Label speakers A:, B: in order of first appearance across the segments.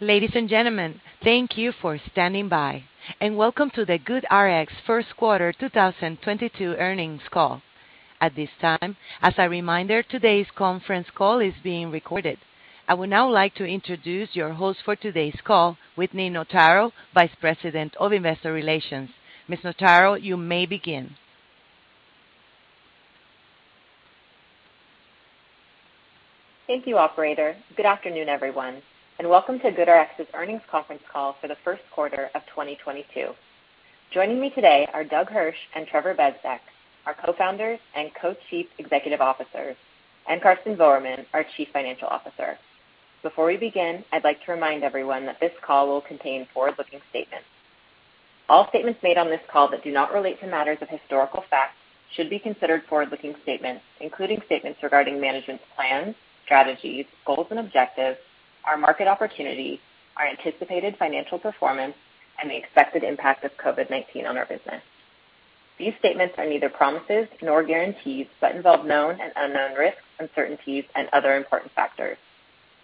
A: Ladies and gentlemen, thank you for standing by, and welcome to the GoodRx First Quarter 2022 Earnings Call. At this time, as a reminder, today's conference call is being recorded. I would now like to introduce your host for today's call, Whitney Notaro, Vice President, Investor Relations. Ms. Notaro, you may begin.
B: Thank you, operator. Good afternoon, everyone, and welcome to GoodRx's Earnings Conference Call for the First Quarter of 2022. Joining me today are Doug Hirsch and Trevor Bezdek, our co-founders and co-chief executive officers, and Karsten Voermann, our chief financial officer. Before we begin, I'd like to remind everyone that this call will contain forward-looking statements. All statements made on this call that do not relate to matters of historical facts should be considered forward-looking statements, including statements regarding management's plans, strategies, goals and objectives, our market opportunity, our anticipated financial performance, and the expected impact of COVID-19 on our business. These statements are neither promises nor guarantees, but involve known and unknown risks, uncertainties and other important factors.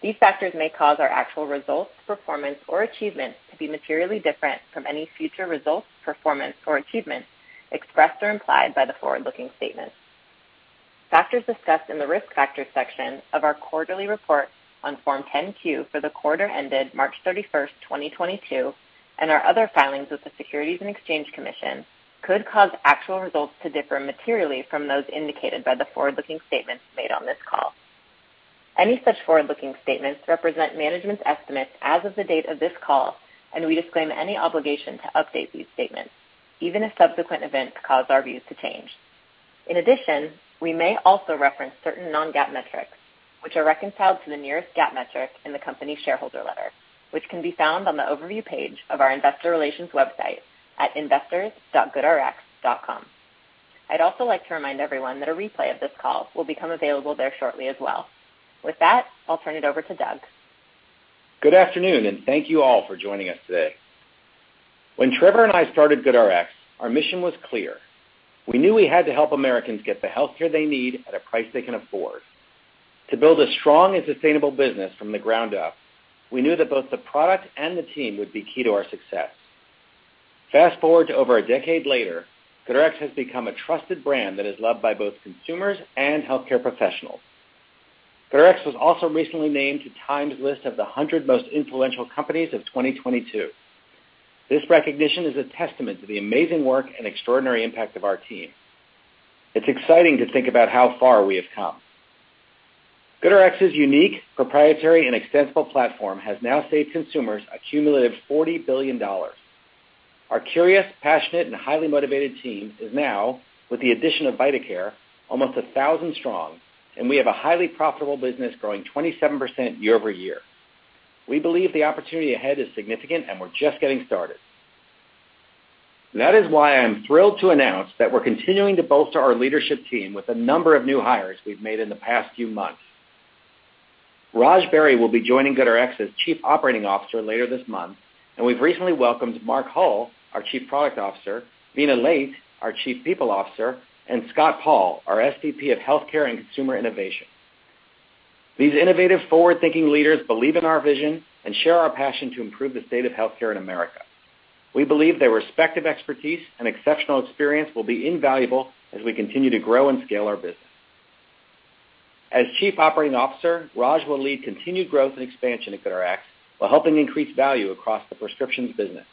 B: These factors may cause our actual results, performance or achievements to be materially different from any future results, performance or achievements expressed or implied by the forward-looking statements. Factors discussed in the Risk Factors section of our quarterly report on Form 10-Q for the quarter ended March 31, 2022, and our other filings with the Securities and Exchange Commission could cause actual results to differ materially from those indicated by the forward-looking statements made on this call. Any such forward-looking statements represent management's estimates as of the date of this call, and we disclaim any obligation to update these statements, even if subsequent events cause our views to change. In addition, we may also reference certain non-GAAP metrics, which are reconciled to the nearest GAAP metric in the company's shareholder letter, which can be found on the overview page of our investor relations website at investors.goodrx.com. I'd also like to remind everyone that a replay of this call will become available there shortly as well. With that, I'll turn it over to Doug.
C: Good afternoon, and thank you all for joining us today. When Trevor and I started GoodRx, our mission was clear. We knew we had to help Americans get the healthcare they need at a price they can afford. To build a strong and sustainable business from the ground up, we knew that both the product and the team would be key to our success. Fast-forward to over a decade later, GoodRx has become a trusted brand that is loved by both consumers and healthcare professionals. GoodRx was also recently named to TIME's list of the 100 most influential companies of 2022. This recognition is a testament to the amazing work and extraordinary impact of our team. It's exciting to think about how far we have come. GoodRx's unique, proprietary and extensible platform has now saved consumers a cumulative $40 billion. Our curious, passionate and highly motivated team is now, with the addition of vitaCare, almost 1,000 strong, and we have a highly profitable business growing 27% year-over-year. We believe the opportunity ahead is significant, and we're just getting started. That is why I'm thrilled to announce that we're continuing to bolster our leadership team with a number of new hires we've made in the past few months. Raj Beri will be joining GoodRx as Chief Operating Officer later this month, and we've recently welcomed Mark Hull, our Chief Product Officer, Vina Leite, our Chief People Officer, and Scott Paul, our SVP of Healthcare and Consumer Innovation. These innovative, forward-thinking leaders believe in our vision and share our passion to improve the state of healthcare in America. We believe their respective expertise and exceptional experience will be invaluable as we continue to grow and scale our business. As Chief Operating Officer, Raj will lead continued growth and expansion at GoodRx while helping increase value across the prescriptions business.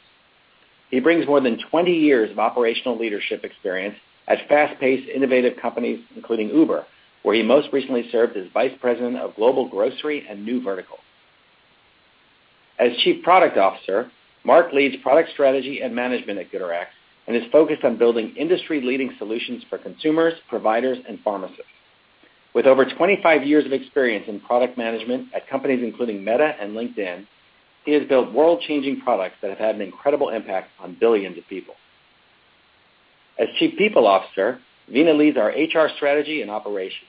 C: He brings more than 20 years of operational leadership experience at fast-paced, innovative companies, including Uber, where he most recently served as vice president of Global Grocery and New Verticals. As Chief Product Officer, Mark leads product strategy and management at GoodRx and is focused on building industry-leading solutions for consumers, providers, and pharmacists. With over 25 years of experience in product management at companies including Meta and LinkedIn, he has built world-changing products that have had an incredible impact on billions of people. As Chief People Officer, Vina leads our HR strategy and operations.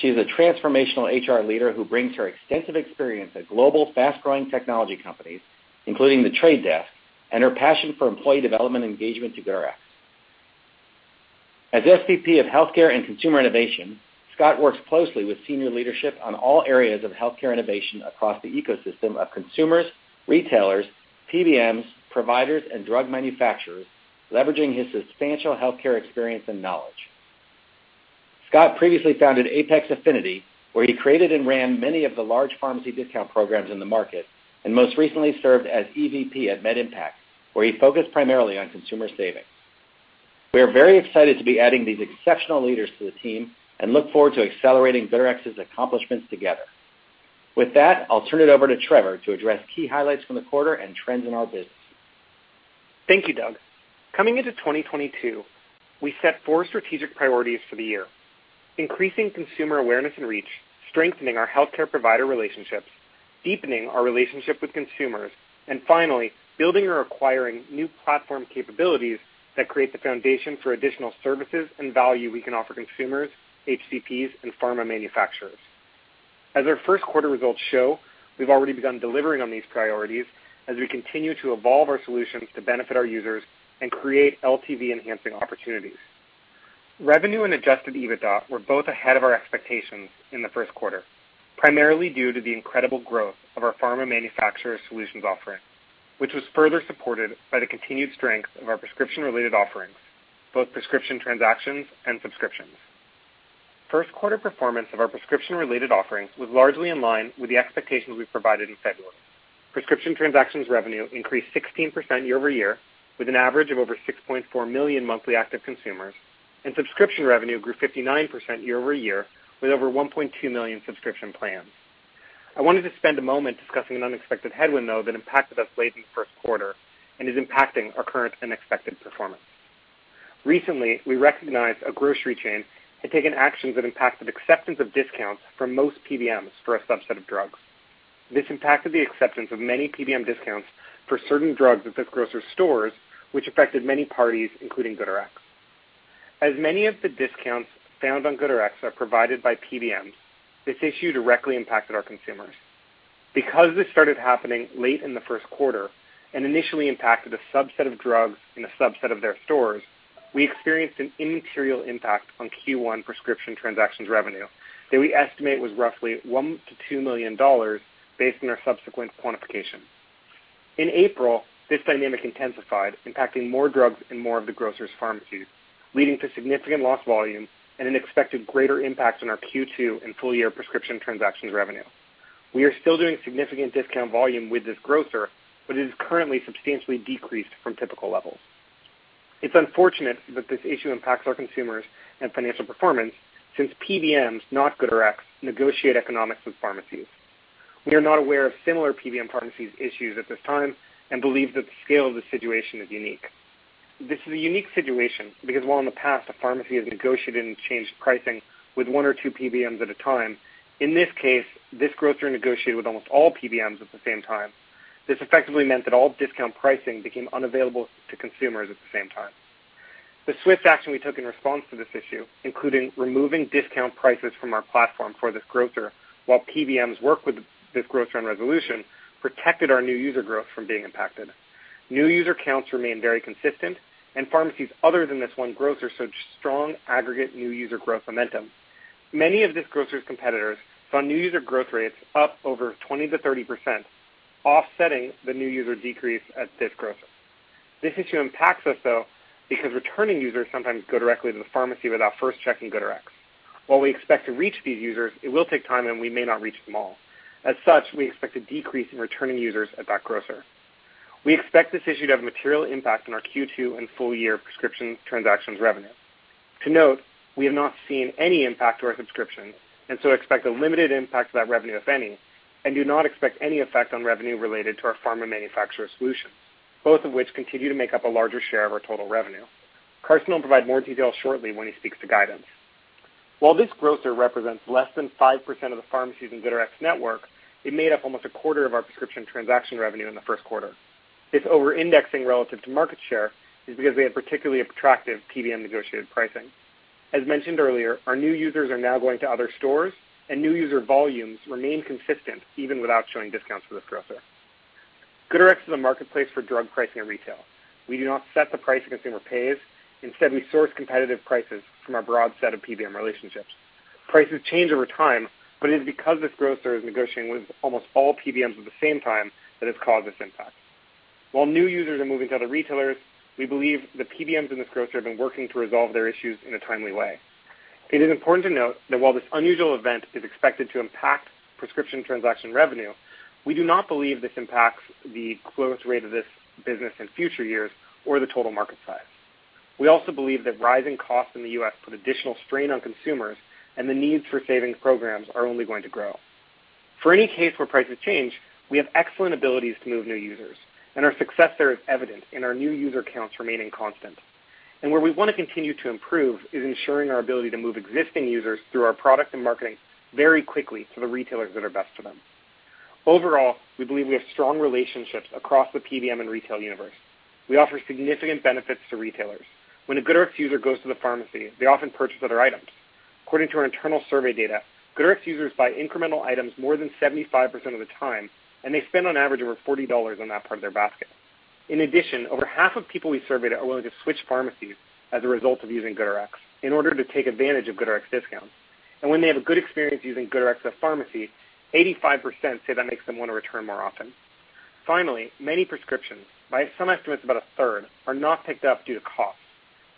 C: She is a transformational HR leader who brings her extensive experience at global, fast-growing technology companies, including The Trade Desk, and her passion for employee development engagement to GoodRx. As SVP of Healthcare and Consumer Innovation, Scott works closely with senior leadership on all areas of healthcare innovation across the ecosystem of consumers, retailers, PBMs, providers, and drug manufacturers, leveraging his substantial healthcare experience and knowledge. Scott previously founded Apex Affinity, where he created and ran many of the large pharmacy discount programs in the market, and most recently served as EVP at MedImpact, where he focused primarily on consumer savings. We are very excited to be adding these exceptional leaders to the team and look forward to accelerating GoodRx's accomplishments together. With that, I'll turn it over to Trevor to address key highlights from the quarter and trends in our business.
D: Thank you, Doug. Coming into 2022, we set four strategic priorities for the year: increasing consumer awareness and reach, strengthening our healthcare provider relationships, deepening our relationship with consumers, and finally, building or acquiring new platform capabilities that create the foundation for additional services and value we can offer consumers, HCPs, and pharma manufacturers. As our first quarter results show, we've already begun delivering on these priorities as we continue to evolve our solutions to benefit our users and create LTV-enhancing opportunities. Revenue and Adjusted EBITDA were both ahead of our expectations in the first quarter, primarily due to the incredible growth of our pharma manufacturer solutions offering, which was further supported by the continued strength of our prescription-related offerings, both prescription transactions and subscriptions. First quarter performance of our prescription-related offerings was largely in line with the expectations we provided in February. Prescription transactions revenue increased 16% year-over-year, with an average of over 6.4 million monthly active consumers, and subscription revenue grew 59% year-over-year, with over 1.2 million subscription plans. I wanted to spend a moment discussing an unexpected headwind, though, that impacted us late in the first quarter and is impacting our current and expected performance. Recently, we recognized that a grocery chain had taken actions that impacted acceptance of discounts from most PBMs for a subset of drugs. This impacted the acceptance of many PBM discounts for certain drugs at this grocer's stores, which affected many parties, including GoodRx. As many of the discounts found on GoodRx are provided by PBMs, this issue directly impacted our consumers. This started happening late in the first quarter and initially impacted a subset of drugs in a subset of their stores. We experienced an immaterial impact on Q1 prescription transactions revenue that we estimate was roughly $1 million-$2 million based on our subsequent quantification. In April, this dynamic intensified, impacting more drugs and more of the grocer's pharmacies, leading to significant lost volume and an expected greater impact on our Q2 and full year prescription transactions revenue. We are still doing significant discount volume with this grocer, but it is currently substantially decreased from typical levels. It's unfortunate that this issue impacts our consumers and financial performance, since PBMs, not GoodRx, negotiate economics with pharmacies. We are not aware of similar PBM pharmacies issues at this time and believe that the scale of the situation is unique. This is a unique situation because while in the past, a pharmacy has negotiated and changed pricing with one or two PBMs at a time, in this case, this grocer negotiated with almost all PBMs at the same time. This effectively meant that all discount pricing became unavailable to consumers at the same time. The swift action we took in response to this issue, including removing discount prices from our platform for this grocer while PBMs work with this grocer on resolution, protected our new user growth from being impacted. New user counts remain very consistent, and pharmacies other than this one grocer showed strong aggregate new user growth momentum. Many of this grocer's competitors saw new user growth rates up over 20%-30%, offsetting the new user decrease at this grocer. This issue impacts us, though, because returning users sometimes go directly to the pharmacy without first checking GoodRx. While we expect to reach these users, it will take time, and we may not reach them all. As such, we expect a decrease in returning users at that grocer. We expect this issue to have a material impact on our Q2 and full year prescription transactions revenue. To note, we have not seen any impact to our subscriptions and so expect a limited impact to that revenue, if any, and do not expect any effect on revenue related to our pharma manufacturer solution, both of which continue to make up a larger share of our total revenue. Karsten will provide more detail shortly when he speaks to guidance. While this grocer represents less than 5% of the pharmacies in GoodRx network, it made up almost a quarter of our prescription transaction revenue in the first quarter. It's over-indexing relative to market share is because they had particularly attractive PBM negotiated pricing. As mentioned earlier, our new users are now going to other stores, and new user volumes remain consistent, even without showing discounts for this grocer. GoodRx is a marketplace for drug pricing and retail. We do not set the price a consumer pays. Instead, we source competitive prices from our broad set of PBM relationships. Prices change over time, but it is because this grocer is negotiating with almost all PBMs at the same time that has caused this impact. While new users are moving to other retailers, we believe the PBMs and this grocer have been working to resolve their issues in a timely way. It is important to note that while this unusual event is expected to impact prescription transaction revenue, we do not believe this impacts the growth rate of this business in future years or the total market size. We also believe that rising costs in the U.S. put additional strain on consumers, and the needs for savings programs are only going to grow. For any case where prices change, we have excellent abilities to move new users, and our success there is evident in our new user counts remaining constant. Where we want to continue to improve is ensuring our ability to move existing users through our product and marketing very quickly to the retailers that are best for them. Overall, we believe we have strong relationships across the PBM and retail universe. We offer significant benefits to retailers. When a GoodRx user goes to the pharmacy, they often purchase other items. According to our internal survey data, GoodRx users buy incremental items more than 75% of the time, and they spend on average over $40 on that part of their basket. In addition, over half of people we surveyed are willing to switch pharmacies as a result of using GoodRx in order to take advantage of GoodRx discounts. When they have a good experience using GoodRx at pharmacy, 85% say that makes them want to return more often. Finally, many prescriptions, by some estimates about a third, are not picked up due to cost,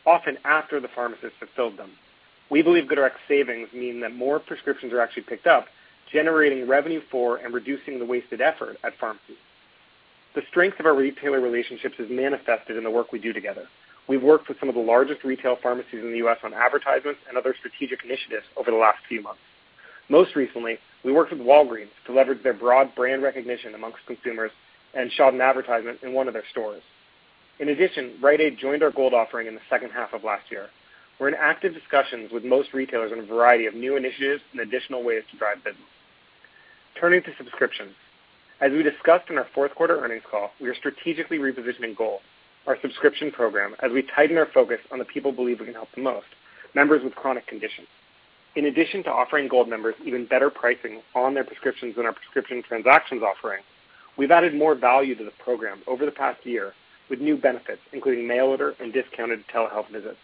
D: often after the pharmacist fulfilled them. We believe GoodRx savings mean that more prescriptions are actually picked up, generating revenue for and reducing the wasted effort at pharmacies. The strength of our retailer relationships is manifested in the work we do together. We've worked with some of the largest retail pharmacies in the U.S. on advertisements and other strategic initiatives over the last few months. Most recently, we worked with Walgreens to leverage their broad brand recognition amongst consumers and shot an advertisement in one of their stores. In addition, Rite Aid joined our Gold offering in the second half of last year. We're in active discussions with most retailers on a variety of new initiatives and additional ways to drive business. Turning to subscriptions. As we discussed in our fourth quarter earnings call, we are strategically repositioning Gold, our subscription program, as we tighten our focus on the people we believe we can help the most, members with chronic conditions. In addition to offering Gold members even better pricing on their prescriptions than our prescription transactions offering, we've added more value to the program over the past year with new benefits, including mail order and discounted telehealth visits.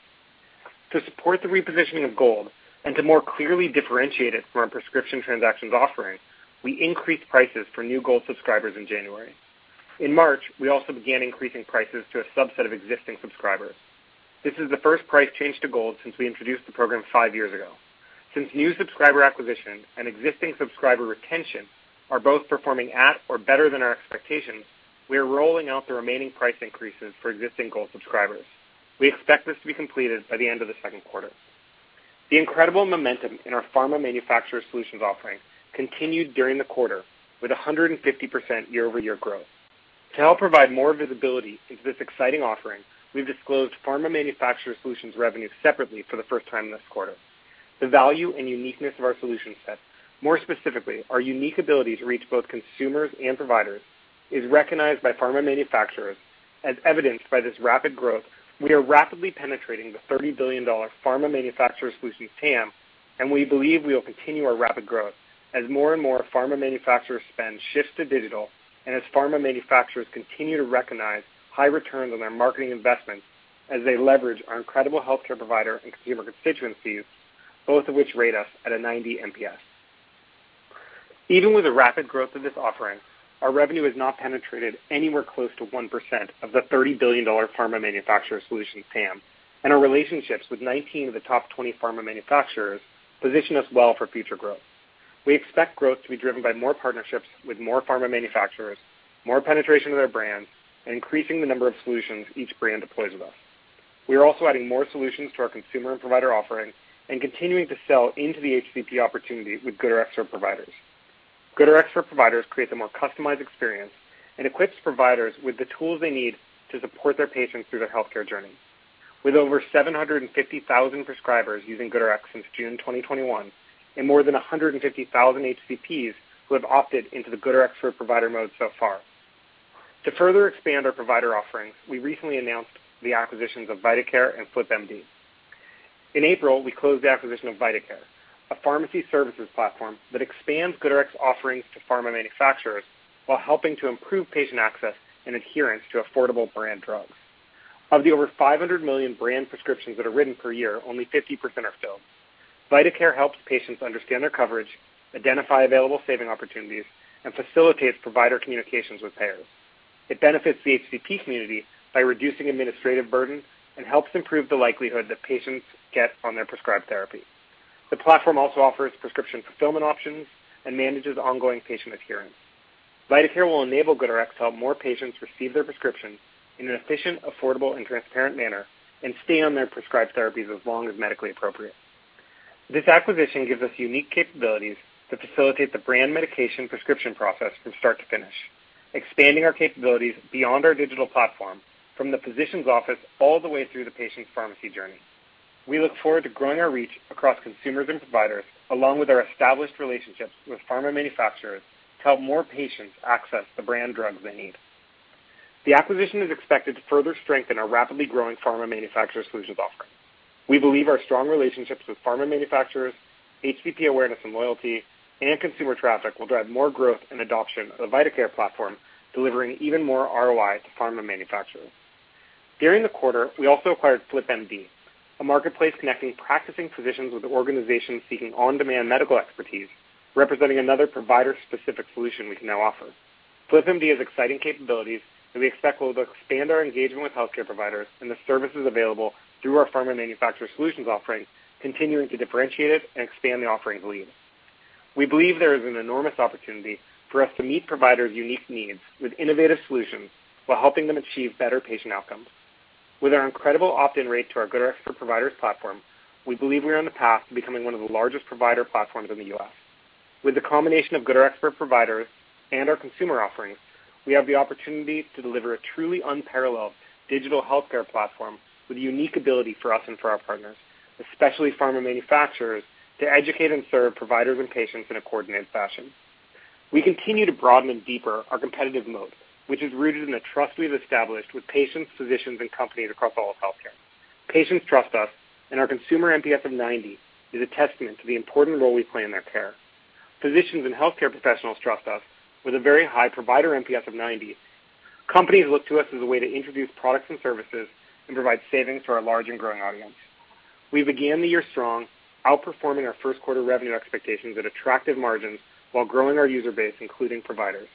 D: To support the repositioning of Gold and to more clearly differentiate it from our prescription transactions offering, we increased prices for new Gold subscribers in January. In March, we also began increasing prices to a subset of existing subscribers. This is the first price change to Gold since we introduced the program five years ago. Since new subscriber acquisition and existing subscriber retention are both performing at or better than our expectations, we are rolling out the remaining price increases for existing Gold subscribers. We expect this to be completed by the end of the second quarter. The incredible momentum in our pharma manufacturer solutions offering continued during the quarter with 150% year-over-year growth. To help provide more visibility into this offering, we've disclosed pharma manufacturer solutions revenue separately for the first time this quarter. The value and uniqueness of our solution set, more specifically, our unique ability to reach both consumers and providers, is recognized by pharma manufacturers, as evidenced by this rapid growth. We are rapidly penetrating the $30 billion Pharma Manufacturer Solutions TAM, and we believe we will continue our rapid growth as more and more pharma manufacturer spend shifts to digital and as pharma manufacturers continue to recognize high returns on their marketing investments as they leverage our incredible healthcare provider and consumer constituencies, both of which rate us at a 90 NPS. Even with the rapid growth of this offering, our revenue has not penetrated anywhere close to 1% of the $30 billion Pharma Manufacturer Solutions TAM, and our relationships with 19 of the top 20 pharma manufacturers position us well for future growth. We expect growth to be driven by more partnerships with more pharma manufacturers, more penetration of their brands, and increasing the number of solutions each brand deploys with us. We are also adding more solutions to our consumer and provider offering and continuing to sell into the HCP opportunity with GoodRx for Providers. GoodRx for Providers create the more customized experience and equips providers with the tools they need to support their patients through their healthcare journey. With over 750,000 prescribers using GoodRx since June 2021 and more than 150,000 HCPs who have opted into the GoodRx for Providers mode so far. To further expand our provider offerings, we recently announced the acquisitions of vitaCare and FlipMD. In April, we closed the acquisition of vitaCare, a pharmacy services platform that expands GoodRx offerings to pharma manufacturers while helping to improve patient access and adherence to affordable brand drugs. Of the over 500 million brand prescriptions that are written per year, only 50% are filled. vitaCare helps patients understand their coverage, identify available saving opportunities, and facilitates provider communications with payers. It benefits the HCP community by reducing administrative burden and helps improve the likelihood that patients get on their prescribed therapy. The platform also offers prescription fulfillment options and manages ongoing patient adherence. vitaCare will enable GoodRx to help more patients receive their prescriptions in an efficient, affordable, and transparent manner and stay on their prescribed therapies as long as medically appropriate. This acquisition gives us unique capabilities to facilitate the brand medication prescription process from start to finish, expanding our capabilities beyond our digital platform from the physician's office all the way through the patient's pharmacy journey. We look forward to growing our reach across consumers and providers, along with our established relationships with pharma manufacturers, to help more patients access the brand drugs they need. The acquisition is expected to further strengthen our rapidly growing pharma manufacturer solutions offering. We believe our strong relationships with pharma manufacturers, HCP awareness and loyalty, and consumer traffic will drive more growth and adoption of the vitaCare platform, delivering even more ROI to pharma manufacturers. During the quarter, we also acquired FlipMD, a marketplace connecting practicing physicians with organizations seeking on-demand medical expertise, representing another provider-specific solution we can now offer. FlipMD has exciting capabilities that we expect will expand our engagement with healthcare providers and the services available through our pharma manufacturer solutions offering, continuing to differentiate it and expand the offering's lead. We believe there is an enormous opportunity for us to meet providers' unique needs with innovative solutions while helping them achieve better patient outcomes. With our incredible opt-in rate to our GoodRx for Providers platform, we believe we are on the path to becoming one of the largest provider platforms in the U.S. With the combination of GoodRx for Providers and our consumer offerings, we have the opportunity to deliver a truly unparalleled digital healthcare platform with a unique ability for us and for our partners, especially pharma manufacturers, to educate and serve providers and patients in a coordinated fashion. We continue to broaden and deeper our competitive moat, which is rooted in the trust we've established with patients, physicians, and companies across all of healthcare. Patients trust us, and our consumer NPS of 90 is a testament to the important role we play in their care. Physicians and healthcare professionals trust us with a very high provider NPS of 90. Companies look to us as a way to introduce products and services and provide savings to our large and growing audience. We began the year strong, outperforming our first quarter revenue expectations at attractive margins while growing our user base, including providers.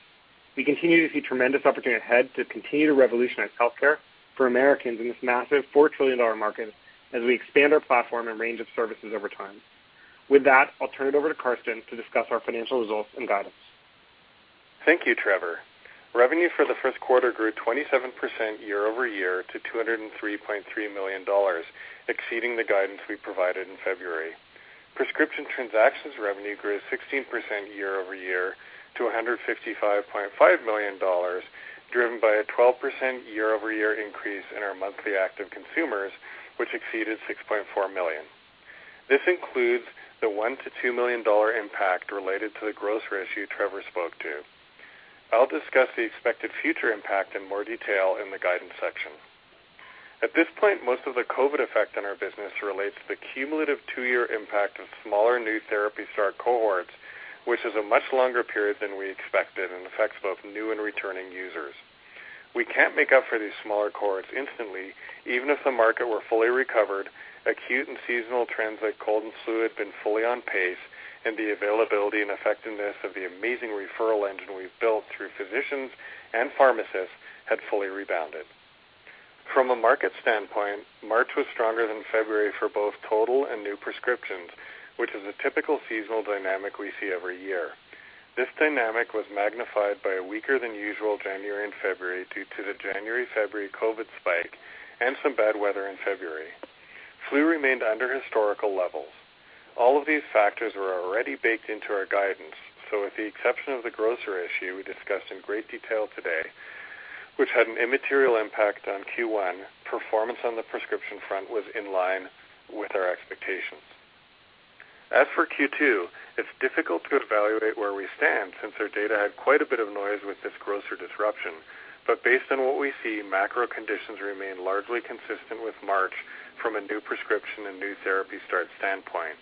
D: We continue to see tremendous opportunity ahead to continue to revolutionize healthcare for Americans in this massive $4 trillion market as we expand our platform and range of services over time. With that, I'll turn it over to Karsten to discuss our financial results and guidance.
E: Thank you, Trevor. Revenue for the first quarter grew 27% year-over-year to $203.3 million, exceeding the guidance we provided in February. Prescription transactions revenue grew 16% year-over-year to $155.5 million, driven by a 12% year-over-year increase in our monthly active consumers, which exceeded 6.4 million. This includes the $1 million-$2 million impact related to the grocer issue Trevor spoke to. I'll discuss the expected future impact in more detail in the guidance section. At this point, most of the COVID effect on our business relates to the cumulative 2-year impact of smaller new therapy start cohorts, which is a much longer period than we expected and affects both new and returning users. We can't make up for these smaller cohorts instantly, even if the market were fully recovered, acute and seasonal trends like cold and flu had been fully on pace, and the availability and effectiveness of the amazing referral engine we've built through physicians and pharmacists had fully rebounded. From a market standpoint, March was stronger than February for both total and new prescriptions, which is a typical seasonal dynamic we see every year. This dynamic was magnified by a weaker than usual January and February due to the January, February COVID spike and some bad weather in February. Flu remained under historical levels. All of these factors were already baked into our guidance. With the exception of the grocer issue we discussed in great detail today, which had an immaterial impact on Q1, performance on the prescription front was in line with our expectations. As for Q2, it's difficult to evaluate where we stand since our data had quite a bit of noise with this grocer disruption. Based on what we see, macro conditions remain largely consistent with March from a new prescription and new therapy start standpoint.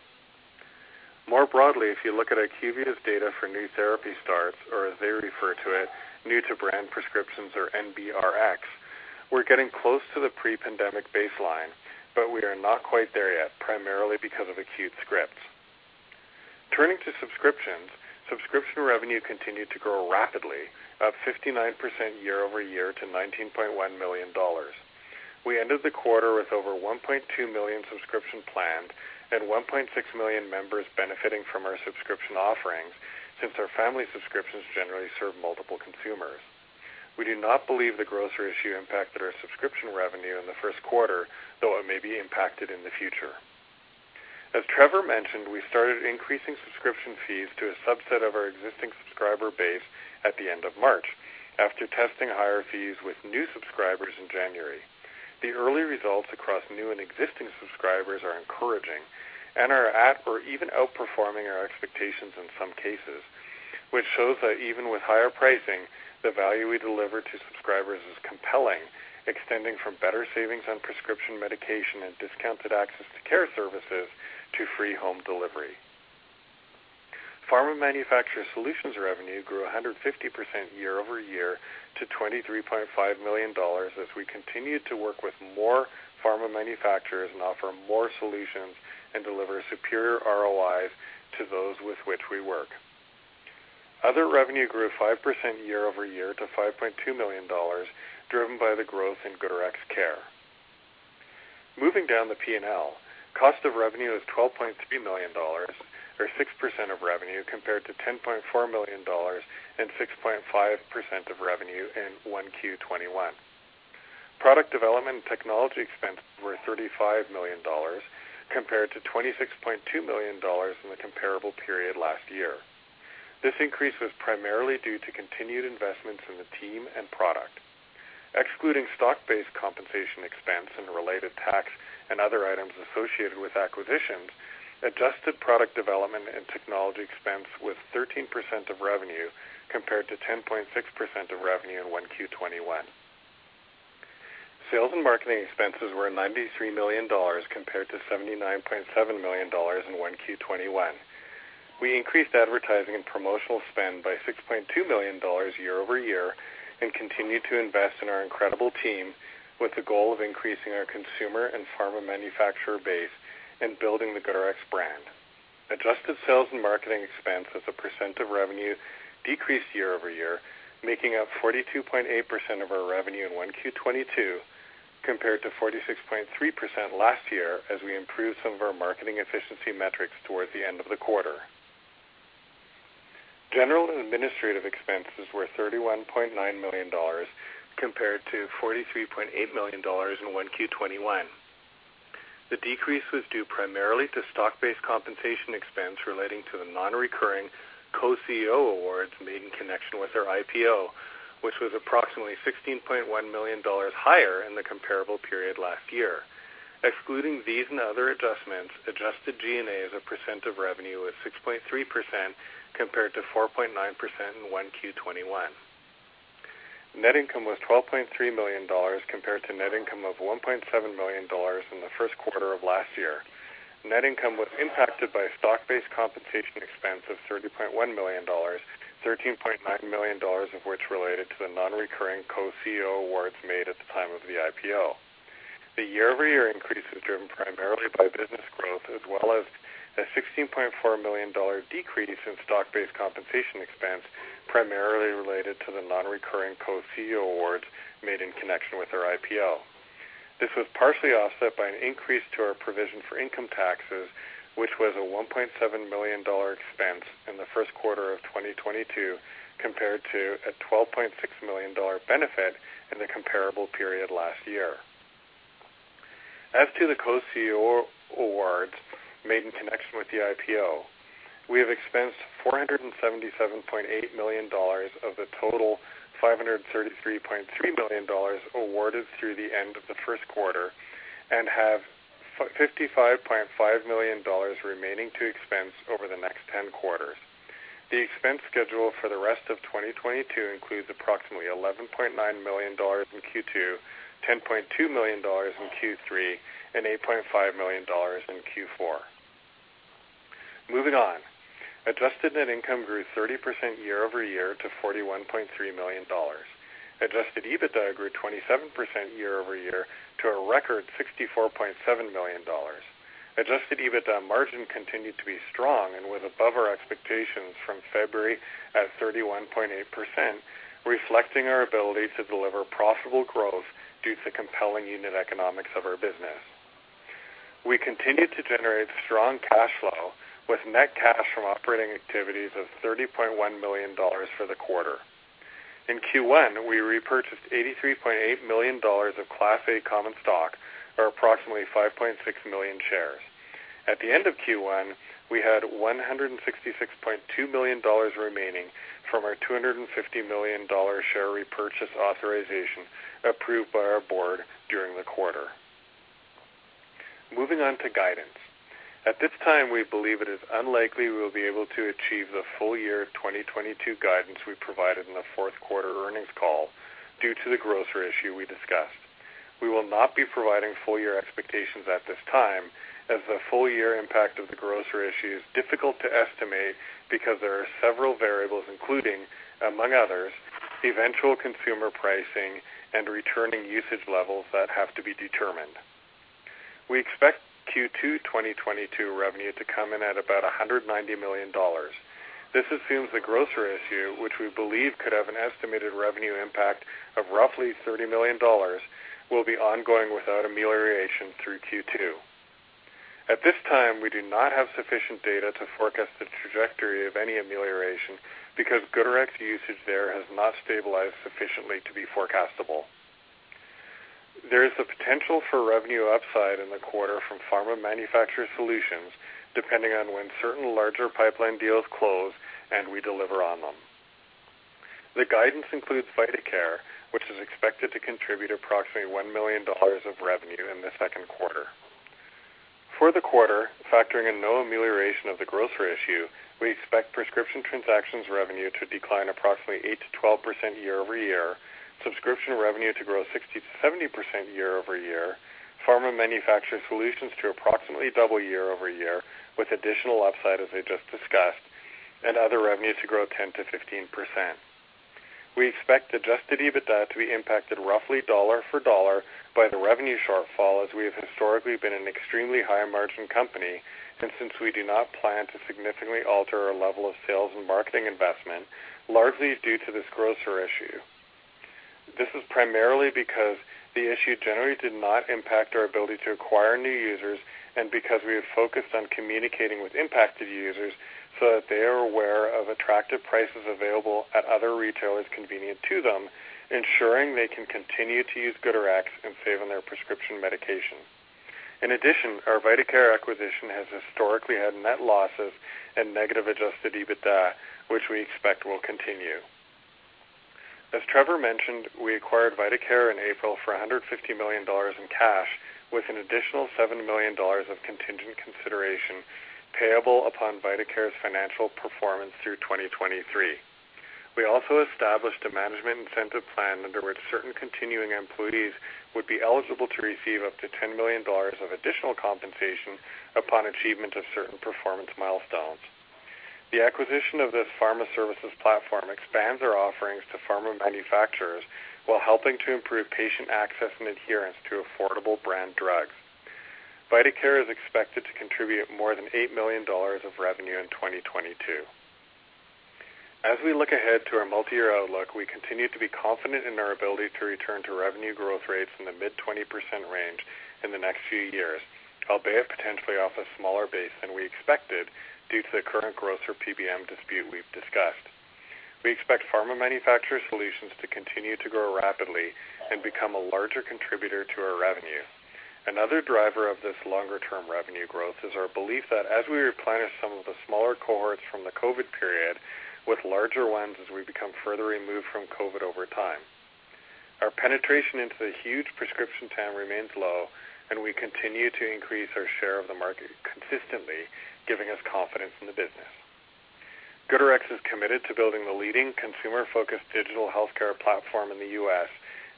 E: More broadly, if you look at IQVIA's data for new therapy starts, or as they refer to it, new to brand prescriptions or NBRX, we're getting close to the pre-pandemic baseline, but we are not quite there yet, primarily because of acute scripts. Turning to subscriptions, subscription revenue continued to grow rapidly, up 59% year-over-year to $19.1 million. We ended the quarter with over 1.2 million subscription plans and 1.6 million members benefiting from our subscription offerings since our family subscriptions generally serve multiple consumers. We do not believe the grocer issue impacted our subscription revenue in the first quarter, though it may be impacted in the future. As Trevor mentioned, we started increasing subscription fees to a subset of our existing subscriber base at the end of March after testing higher fees with new subscribers in January. The early results across new and existing subscribers are encouraging and are at or even outperforming our expectations in some cases, which shows that even with higher pricing, the value we deliver to subscribers is compelling, extending from better savings on prescription medication and discounted access to care services to free home delivery. Pharma Manufacturer Solutions revenue grew 150% year-over-year to $23.5 million as we continued to work with more pharma manufacturers and offer more solutions and deliver superior ROIs to those with which we work. Other revenue grew 5% year-over-year to $5.2 million, driven by the growth in GoodRx Care. Moving down the P&L, cost of revenue is $12.3 million, or 6% of revenue, compared to $10.4 million and 6.5% of revenue in 1Q 2021. Product development and technology expenses were $35 million compared to $26.2 million in the comparable period last year. This increase was primarily due to continued investments in the team and product. Excluding stock-based compensation expense and related tax and other items associated with acquisitions, adjusted product development and technology expense was 13% of revenue compared to 10.6% of revenue in 1Q 2021. Sales and marketing expenses were $93 million compared to $79.7 million in 1Q 2021. We increased advertising and promotional spend by $6.2 million year-over-year and continued to invest in our incredible team with the goal of increasing our consumer and pharma manufacturer base and building the GoodRx brand. Adjusted sales and marketing expense as a percent of revenue decreased year-over-year, making up 42.8% of our revenue in 1Q 2022 compared to 46.3% last year as we improved some of our marketing efficiency metrics towards the end of the quarter. General and administrative expenses were $31.9 million compared to $43.8 million in 1Q 2021. The decrease was due primarily to stock-based compensation expense relating to the non-recurring co-CEO awards made in connection with our IPO, which was approximately $16.1 million higher in the comparable period last year. Excluding these and other adjustments, adjusted G&A as a percent of revenue was 6.3% compared to 4.9% in 1Q 2021. Net income was $12.3 million compared to net income of $1.7 million in the first quarter of last year. Net income was impacted by stock-based compensation expense of $30.1 million, $13.9 million of which related to the non-recurring co-CEO awards made at the time of the IPO. The year-over-year increase is driven primarily by business growth as well as a $16.4 million dollar decrease in stock-based compensation expense, primarily related to the non-recurring co-CEO awards made in connection with our IPO. This was partially offset by an increase to our provision for income taxes, which was a $1.7 million expense in the first quarter of 2022 compared to a $12.6 million benefit in the comparable period last year. As to the co-CEO awards made in connection with the IPO, we have expensed $477.8 million of the total $533.3 million awarded through the end of the first quarter and have $55.5 million remaining to expense over the next ten quarters. The expense schedule for the rest of 2022 includes approximately $11.9 million in Q2, $10.2 million in Q3, and $8.5 million in Q4. Moving on. Adjusted net income grew 30% year-over-year to $41.3 million. Adjusted EBITDA grew 27% year-over-year to a record $64.7 million. Adjusted EBITDA margin continued to be strong and was above our expectations from February at 31.8%, reflecting our ability to deliver profitable growth due to compelling unit economics of our business. We continued to generate strong cash flow with net cash from operating activities of $30.1 million for the quarter. In Q1, we repurchased $83.8 million of Class A common stock, or approximately 5.6 million shares. At the end of Q1, we had $166.2 million remaining from our $250 million share repurchase authorization approved by our board during the quarter. Moving on to guidance. At this time, we believe it is unlikely we will be able to achieve the full year 2022 guidance we provided in the fourth quarter earnings call due to the grocer issue we discussed. We will not be providing full year expectations at this time as the full year impact of the grocer issue is difficult to estimate because there are several variables, including, among others, eventual consumer pricing and returning usage levels that have to be determined. We expect Q2 2022 revenue to come in at about $190 million. This assumes the grocer issue, which we believe could have an estimated revenue impact of roughly $30 million, will be ongoing without amelioration through Q2. At this time, we do not have sufficient data to forecast the trajectory of any amelioration because GoodRx usage there has not stabilized sufficiently to be forecastable. There is the potential for revenue upside in the quarter from Pharma Manufacturer Solutions, depending on when certain larger pipeline deals close and we deliver on them. The guidance includes vitaCare, which is expected to contribute approximately $1 million of revenue in the second quarter. For the quarter, factoring in no amelioration of the grocer issue, we expect prescription transactions revenue to decline approximately 8%-12% year-over-year, subscription revenue to grow 60%-70% year-over-year, Pharma Manufacturer Solutions to approximately double year-over-year with additional upside, as I just discussed, and other revenue to grow 10%-15%. We expect Adjusted EBITDA to be impacted roughly dollar for dollar by the revenue shortfall as we have historically been an extremely high-margin company and since we do not plan to significantly alter our level of sales and marketing investment, largely due to this grocer issue. This is primarily because the issue generally did not impact our ability to acquire new users and because we have focused on communicating with impacted users so that they are aware of attractive prices available at other retailers convenient to them, ensuring they can continue to use GoodRx and save on their prescription medication. In addition, our vitaCare acquisition has historically had net losses and negative Adjusted EBITDA, which we expect will continue. As Trevor mentioned, we acquired vitaCare in April for $150 million in cash, with an additional $7 million of contingent consideration payable upon vitaCare's financial performance through 2023. We also established a management incentive plan under which certain continuing employees would be eligible to receive up to $10 million of additional compensation upon achievement of certain performance milestones. The acquisition of this pharma services platform expands our offerings to pharma manufacturers while helping to improve patient access and adherence to affordable brand drugs. vitaCare is expected to contribute more than $8 million of revenue in 2022. As we look ahead to our multi-year outlook, we continue to be confident in our ability to return to revenue growth rates in the mid-20% range in the next few years, albeit potentially off a smaller base than we expected due to the current grocer issue we've discussed. We expect pharma manufacturer solutions to continue to grow rapidly and become a larger contributor to our revenue. Another driver of this longer-term revenue growth is our belief that as we replenish some of the smaller cohorts from the COVID period with larger ones as we become further removed from COVID over time, our penetration into the huge prescription volume remains low, and we continue to increase our share of the market consistently, giving us confidence in the business. GoodRx is committed to building the leading consumer-focused digital healthcare platform in the U.S.,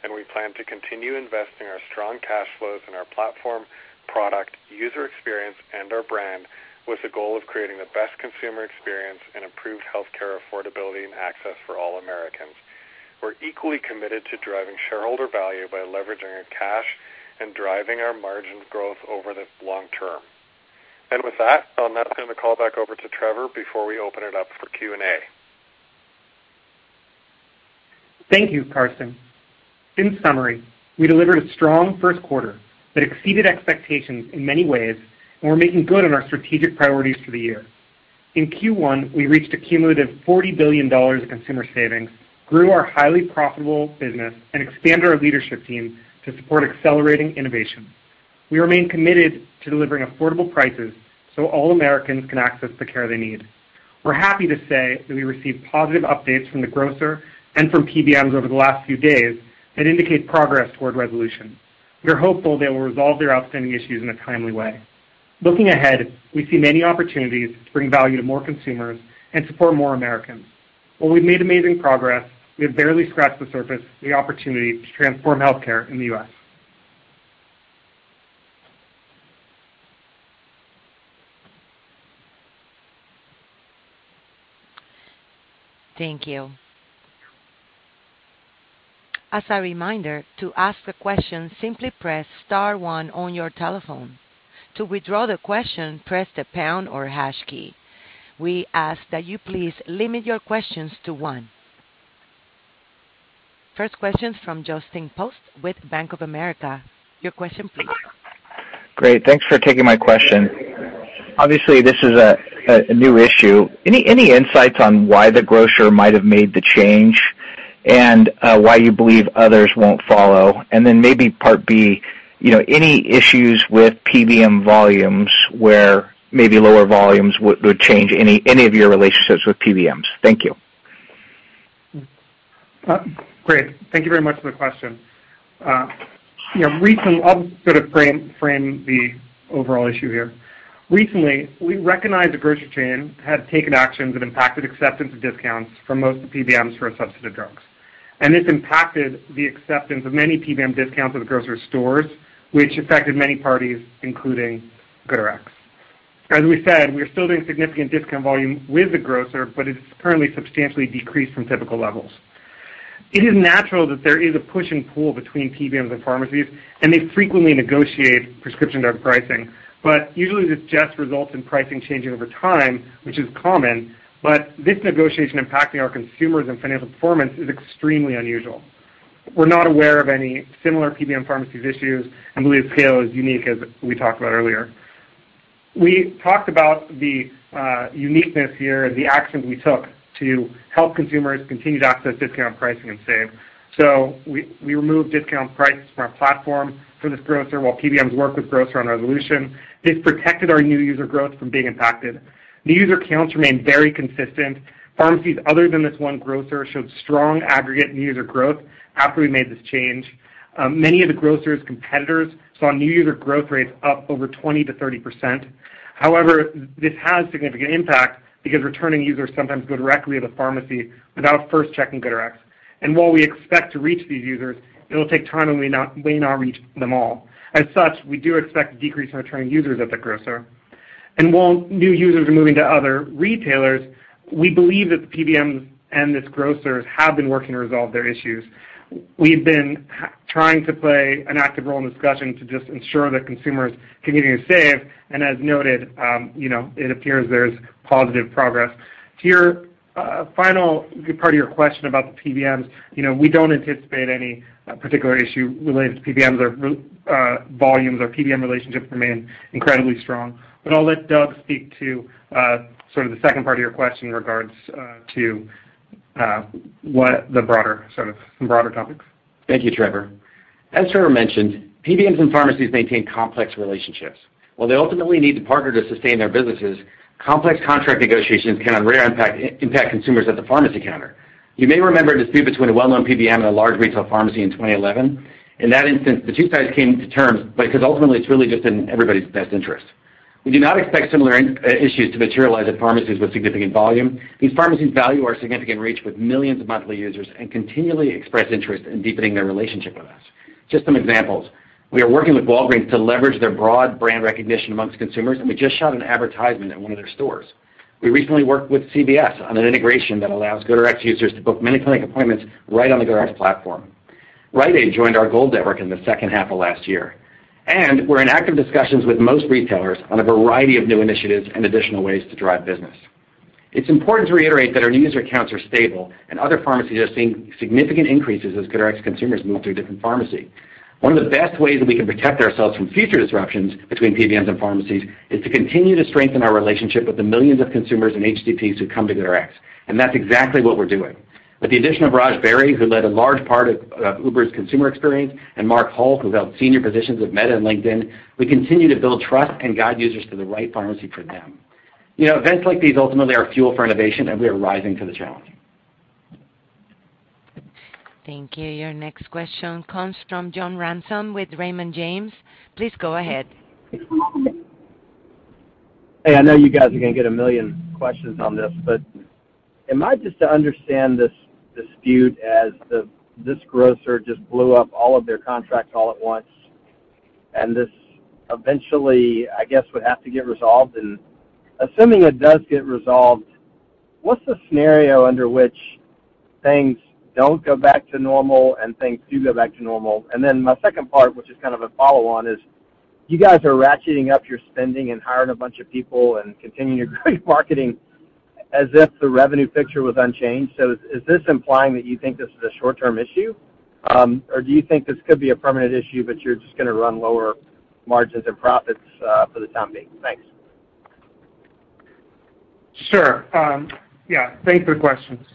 E: and we plan to continue investing our strong cash flows in our platform, product, user experience, and our brand with the goal of creating the best consumer experience and improved healthcare affordability and access for all Americans. We're equally committed to driving shareholder value by leveraging our cash and driving our margin growth over the long term. With that, I'll now turn the call back over to Trevor before we open it up for Q&A.
D: Thank you, Karsten. In summary, we delivered a strong first quarter that exceeded expectations in many ways and we're making good on our strategic priorities for the year. In Q1, we reached a cumulative $40 billion of consumer savings, grew our highly profitable business, and expanded our leadership team to support accelerating innovation. We remain committed to delivering affordable prices so all Americans can access the care they need. We're happy to say that we received positive updates from the grocer and from PBMs over the last few days that indicate progress toward resolution. We are hopeful they will resolve their outstanding issues in a timely way. Looking ahead, we see many opportunities to bring value to more consumers and support more Americans. While we've made amazing progress, we have barely scratched the surface of the opportunity to transform healthcare in the U.S.
A: Thank you. As a reminder, to ask a question, simply press star one on your telephone. To withdraw the question, press the pound or hash key. We ask that you please limit your questions to one. First question from Justin Post with Bank of America. Your question please.
F: Great. Thanks for taking my question. Obviously, this is a new issue. Any insights on why the grocer might have made the change and why you believe others won't follow? Maybe part B, you know, any issues with PBM volumes where maybe lower volumes would change any of your relationships with PBMs? Thank you.
D: Great. Thank you very much for the question. You know, recently, I'll sort of frame the overall issue here. Recently, we recognized a grocery chain had taken actions that impacted acceptance of discounts for most PBMs for a subset of drugs. This impacted the acceptance of many PBM discounts with grocery stores, which affected many parties, including GoodRx. As we said, we are still doing significant discount volume with the grocer, but it's currently substantially decreased from typical levels. It is natural that there is a push and pull between PBMs and pharmacies, and they frequently negotiate prescription drug pricing. Usually, this just results in pricing changing over time, which is common. This negotiation impacting our consumers and financial performance is extremely unusual. We're not aware of any similar PBM-pharmacy issues and believe this scale is unique as we talked about earlier. We talked about the uniqueness here and the actions we took to help consumers continue to access discount pricing and save. We removed discount prices from our platform for this grocer while PBMs work with grocer on a resolution. This protected our new user growth from being impacted. New user counts remained very consistent. Pharmacies other than this one grocer showed strong aggregate new user growth after we made this change. Many of the grocer's competitors saw new user growth rates up over 20%-30%. However, this has significant impact because returning users sometimes go directly to the pharmacy without first checking GoodRx. While we expect to reach these users, it'll take time and we may not reach them all. As such, we do expect a decrease in returning users at the grocer. While new users are moving to other retailers, we believe that the PBMs and this grocers have been working to resolve their issues. We've been trying to play an active role in discussion to just ensure that consumers continue to save. As noted, you know, it appears there's positive progress. To your final part of your question about the PBMs, you know, we don't anticipate any particular issue related to PBMs or volumes. Our PBM relationships remain incredibly strong. I'll let Doug speak to sort of the second part of your question in regards to what the broader, sort of broader topics.
C: Thank you, Trevor. As Trevor mentioned, PBMs and pharmacies maintain complex relationships. While they ultimately need to partner to sustain their businesses, complex contract negotiations can, on rare occasions, impact consumers at the pharmacy counter. You may remember a dispute between a well-known PBM and a large retail pharmacy in 2011. In that instance, the two sides came to terms because ultimately it's really just in everybody's best interest. We do not expect similar issues to materialize at pharmacies with significant volume. These pharmacies value our significant reach with millions of monthly users and continually express interest in deepening their relationship with us. Just some examples. We are working with Walgreens to leverage their broad brand recognition among consumers, and we just shot an advertisement at one of their stores. We recently worked with CVS on an integration that allows GoodRx users to book many clinic appointments right on the GoodRx platform. Rite Aid joined our Gold network in the second half of last year, and we're in active discussions with most retailers on a variety of new initiatives and additional ways to drive business. It's important to reiterate that our user counts are stable and other pharmacies are seeing significant increases as GoodRx consumers move through a different pharmacy. One of the best ways that we can protect ourselves from future disruptions between PBMs and pharmacies is to continue to strengthen our relationship with the millions of consumers and HCPs who come to GoodRx. That's exactly what we're doing. With the addition of Raj Beri, who led a large part of Uber's consumer experience, and Mark Hull, who held senior positions with Meta and LinkedIn, we continue to build trust and guide users to the right pharmacy for them. You know, events like these ultimately are fuel for innovation, and we are rising to the challenge.
A: Thank you. Your next question comes from John Ransom with Raymond James. Please go ahead.
G: Hey, I know you guys are gonna get a million questions on this, but am I just to understand this dispute as the this grocer just blew up all of their contracts all at once, and this eventually, I guess, would have to get resolved? Assuming it does get resolved, what's the scenario under which things don't go back to normal and things do go back to normal? My second part, which is kind of a follow-on, is you guys are ratcheting up your spending and hiring a bunch of people and continuing your great marketing as if the revenue picture was unchanged. Is this implying that you think this is a short-term issue? Or do you think this could be a permanent issue, but you're just gonna run lower margins and profits for the time being? Thanks.
C: Sure. Yeah, thanks for the questions.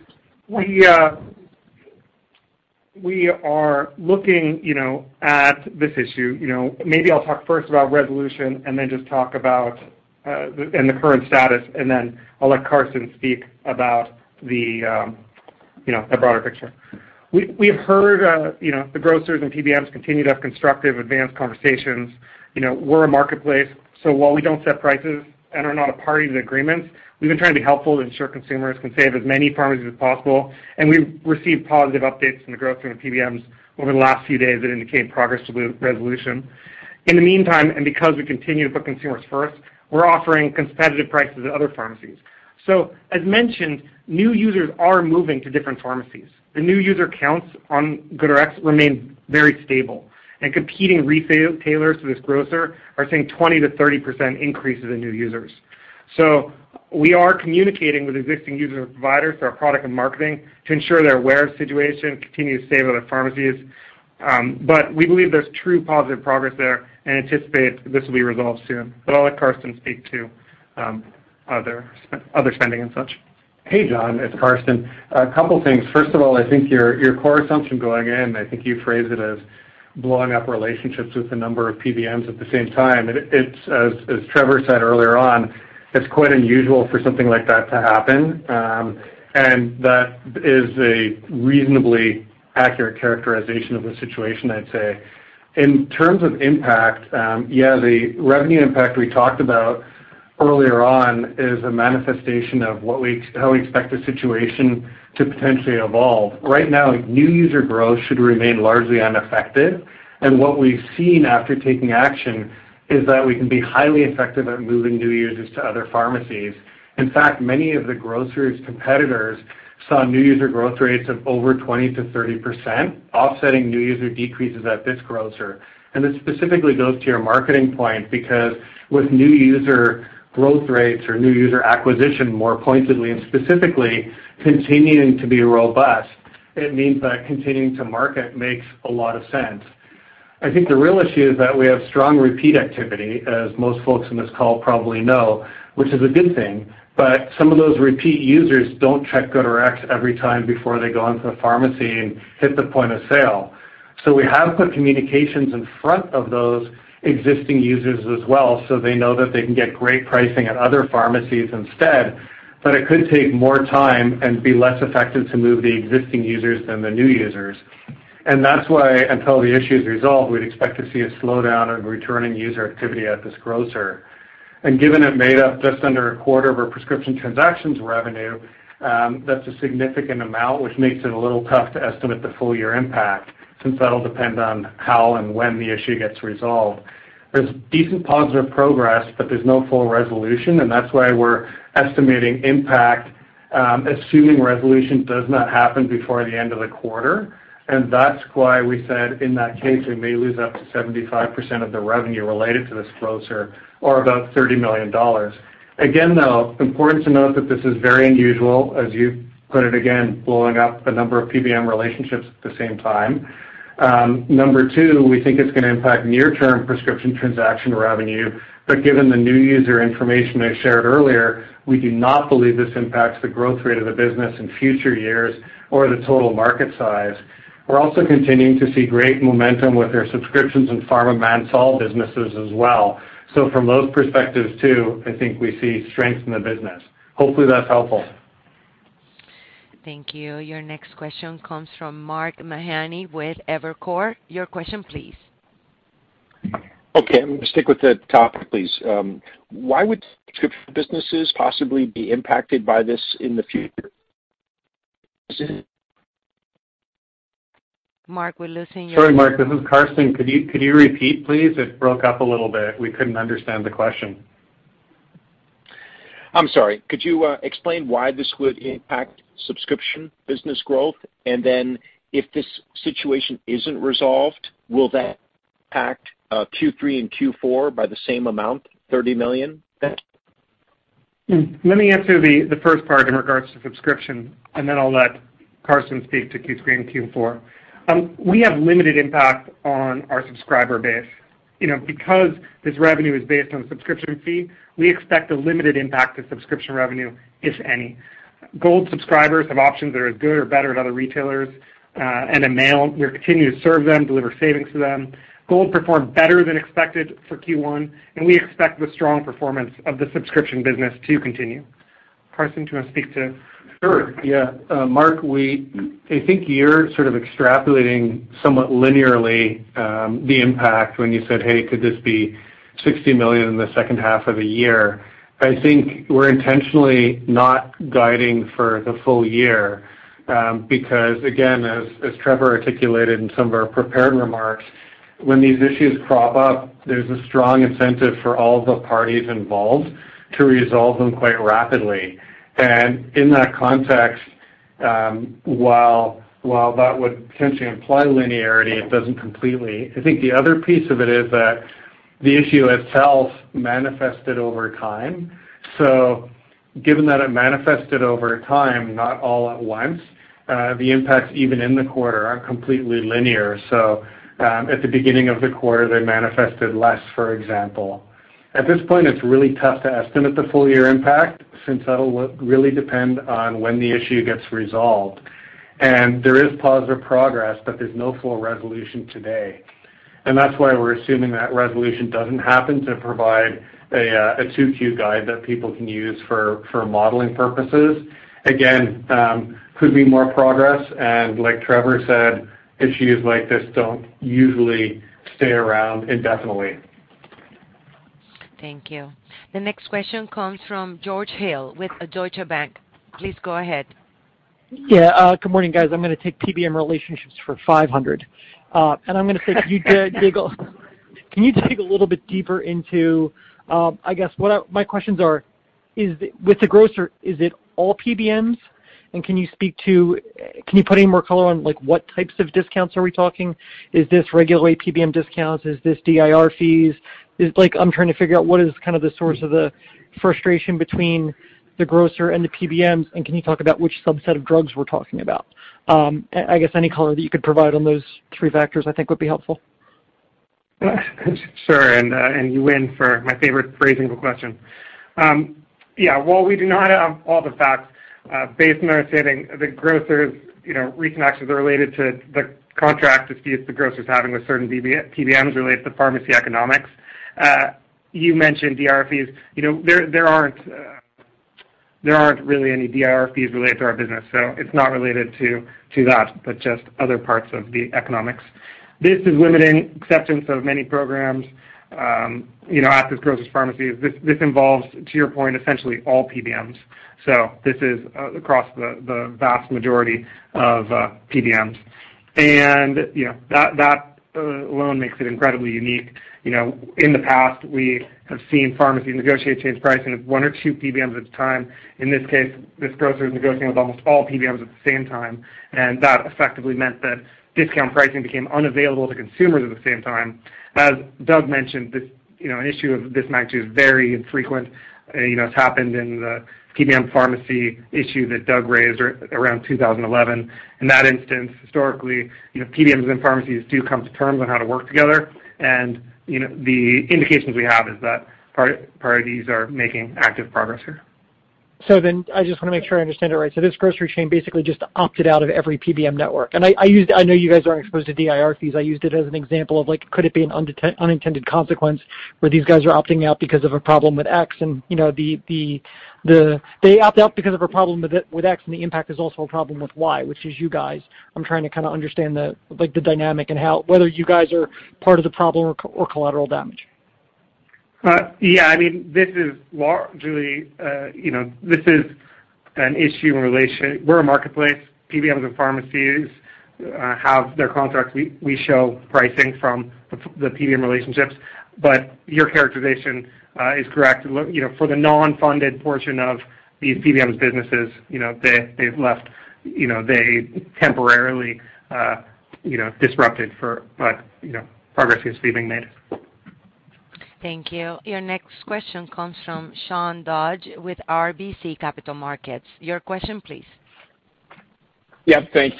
C: We are looking, you know, at this issue. You know, maybe I'll talk first about resolution and then just talk about the current status, and then I'll let Karsten speak about the,
D: You know, a broader picture. We have heard you know, the grocers and PBMs continue to have constructive advanced conversations. You know, we're a marketplace, so while we don't set prices and are not a party to the agreements, we've been trying to be helpful to ensure consumers can save at as many pharmacies as possible. We've received positive updates from the grocers and PBMs over the last few days that indicate progress toward resolution. In the meantime, and because we continue to put consumers first, we're offering competitive prices at other pharmacies. As mentioned, new users are moving to different pharmacies. The new user counts on GoodRx remain very stable, and competing retailers to this grocer are seeing 20%-30% increases in new users. We are communicating with existing users, providers through our product and marketing to ensure they're aware of the situation, continue to save at other pharmacies. We believe there's truly positive progress there and anticipate this will be resolved soon. I'll let Karsten speak to other spending and such.
E: Hey, John, it's Karsten. A couple things. First of all, I think your core assumption going in, I think you phrased it as blowing up relationships with a number of PBMs at the same time. It's, as Trevor said earlier on, it's quite unusual for something like that to happen. That is a reasonably accurate characterization of the situation, I'd say. In terms of impact, yeah, the revenue impact we talked about earlier on is a manifestation of how we expect the situation to potentially evolve. Right now, new user growth should remain largely unaffected, and what we've seen after taking action is that we can be highly effective at moving new users to other pharmacies. In fact, many of the grocer's competitors saw new user growth rates of over 20%-30%, offsetting new user decreases at this grocer. This specifically goes to your marketing point because with new user growth rates or new user acquisition, more pointedly and specifically continuing to be robust, it means that continuing to market makes a lot of sense. I think the real issue is that we have strong repeat activity, as most folks on this call probably know, which is a good thing, but some of those repeat users don't check GoodRx every time before they go into a pharmacy and hit the point of sale. We have put communications in front of those existing users as well, so they know that they can get great pricing at other pharmacies instead, but it could take more time and be less effective to move the existing users than the new users. That's why, until the issue is resolved, we'd expect to see a slowdown of returning user activity at this grocer. Given it made up just under a quarter of our prescription transactions revenue, that's a significant amount, which makes it a little tough to estimate the full year impact, since that'll depend on how and when the issue gets resolved. There's decent positive progress, but there's no full resolution, and that's why we're estimating impact, assuming resolution does not happen before the end of the quarter. That's why we said in that case, we may lose up to 75% of the revenue related to this grocer or about $30 million. Again, though, important to note that this is very unusual, as you put it again, blowing up a number of PBM relationships at the same time. Number two, we think it's gonna impact near term prescription transaction revenue, but given the new user information I shared earlier, we do not believe this impacts the growth rate of the business in future years or the total market size. We're also continuing to see great momentum with our subscriptions and pharma manufacturer solutions businesses as well. From those perspectives too, I think we see strength in the business. Hopefully, that's helpful.
A: Thank you. Your next question comes from Mark Mahaney with Evercore. Your question please.
H: Okay, I'm gonna stick with the topic, please. Why would subscription businesses possibly be impacted by this in the future?
A: Mark, we're losing you.
E: Sorry, Mark, this is Karsten. Could you repeat, please? It broke up a little bit. We couldn't understand the question.
H: I'm sorry. Could you explain why this would impact subscription business growth? Then if this situation isn't resolved, will that impact Q3 and Q4 by the same amount, $30 million?
D: Let me answer the first part in regards to subscription, and then I'll let Karsten speak to Q3 and Q4. We have limited impact on our subscriber base. You know, because this revenue is based on subscription fee, we expect a limited impact to subscription revenue, if any. Gold subscribers have options that are as good or better at other retailers, and mail. We continue to serve them, deliver savings to them. Gold performed better than expected for Q1, and we expect the strong performance of the subscription business to continue. Karsten, do you want to speak to-
E: Sure. Yeah. Mark, I think you're sort of extrapolating somewhat linearly the impact when you said, "Hey, could this be $60 million in the second half of the year?" I think we're intentionally not guiding for the full year, because again, as Trevor articulated in some of our prepared remarks, when these issues crop up, there's a strong incentive for all the parties involved to resolve them quite rapidly. In that context, while that would potentially imply linearity, it doesn't completely. I think the other piece of it is that the issue itself manifested over time. Given that it manifested over time, not all at once, the impacts even in the quarter aren't completely linear. At the beginning of the quarter, they manifested less, for example. At this point, it's really tough to estimate the full year impact since that'll really depend on when the issue gets resolved. There is positive progress, but there's no full resolution today.
D: That's why we're assuming that resolution doesn't happen to provide a two-Q guide that people can use for modeling purposes. Again, could be more progress. Like Trevor said, issues like this don't usually stay around indefinitely.
A: Thank you. The next question comes from George Hill with Deutsche Bank. Please go ahead.
I: Yeah, good morning, guys. I'm gonna take PBM relationships for 500. I'm gonna say, can you dig a little bit deeper into, I guess what my questions are, is it with the grocer, is it all PBMs? Can you speak to, can you put any more color on, like, what types of discounts are we talking? Is this regular PBM discounts? Is this DIR fees? Like, I'm trying to figure out what is kind of the source of the frustration between the grocer and the PBMs, and can you talk about which subset of drugs we're talking about? I guess any color that you could provide on those three factors I think would be helpful.
D: Sure. You win for my favorite phrasing of a question. While we do not have all the facts, based on our understanding, the grocer's, you know, recontracts are related to the contract disputes the grocer's having with certain PBMs related to pharmacy economics. You mentioned DIR fees. You know, there aren't really any DIR fees related to our business, so it's not related to that, but just other parts of the economics. This is limiting acceptance of many programs, you know, at this grocer's pharmacy. This involves, to your point, essentially all PBMs. This is across the vast majority of PBMs. You know, that alone makes it incredibly unique. You know, in the past, we have seen pharmacies negotiate changing pricing with one or two PBMs at a time. In this case, this grocer is negotiating with almost all PBMs at the same time, and that effectively meant that discount pricing became unavailable to consumers at the same time. As Doug mentioned, this, you know, an issue of this magnitude is very infrequent. You know, it's happened in the PBM pharmacy issue that Doug raised around 2011. In that instance, historically, you know, PBMs and pharmacies do come to terms on how to work together. You know, the indications we have is that parties are making active progress here.
I: I just wanna make sure I understand it right. This grocery chain basically just opted out of every PBM network. I know you guys aren't exposed to DIR fees. I used it as an example of, like, could it be an unintended consequence where these guys are opting out because of a problem with X? You know, they opt out because of a problem with X, and the impact is also a problem with Y, which is you guys. I'm trying to kinda understand the, like, the dynamic and whether you guys are part of the problem or collateral damage.
D: Yeah, I mean, this is largely, you know, this is an issue. We're a marketplace. PBMs and pharmacies have their contracts. We show pricing from the PBM relationships, but your characterization is correct. You know, for the non-funded portion of these PBMs businesses, you know, they've left, you know, they temporarily disrupted, but, you know, progress is being made.
A: Thank you. Your next question comes from Sean Dodge with RBC Capital Markets. Your question please.
J: Yeah, thanks.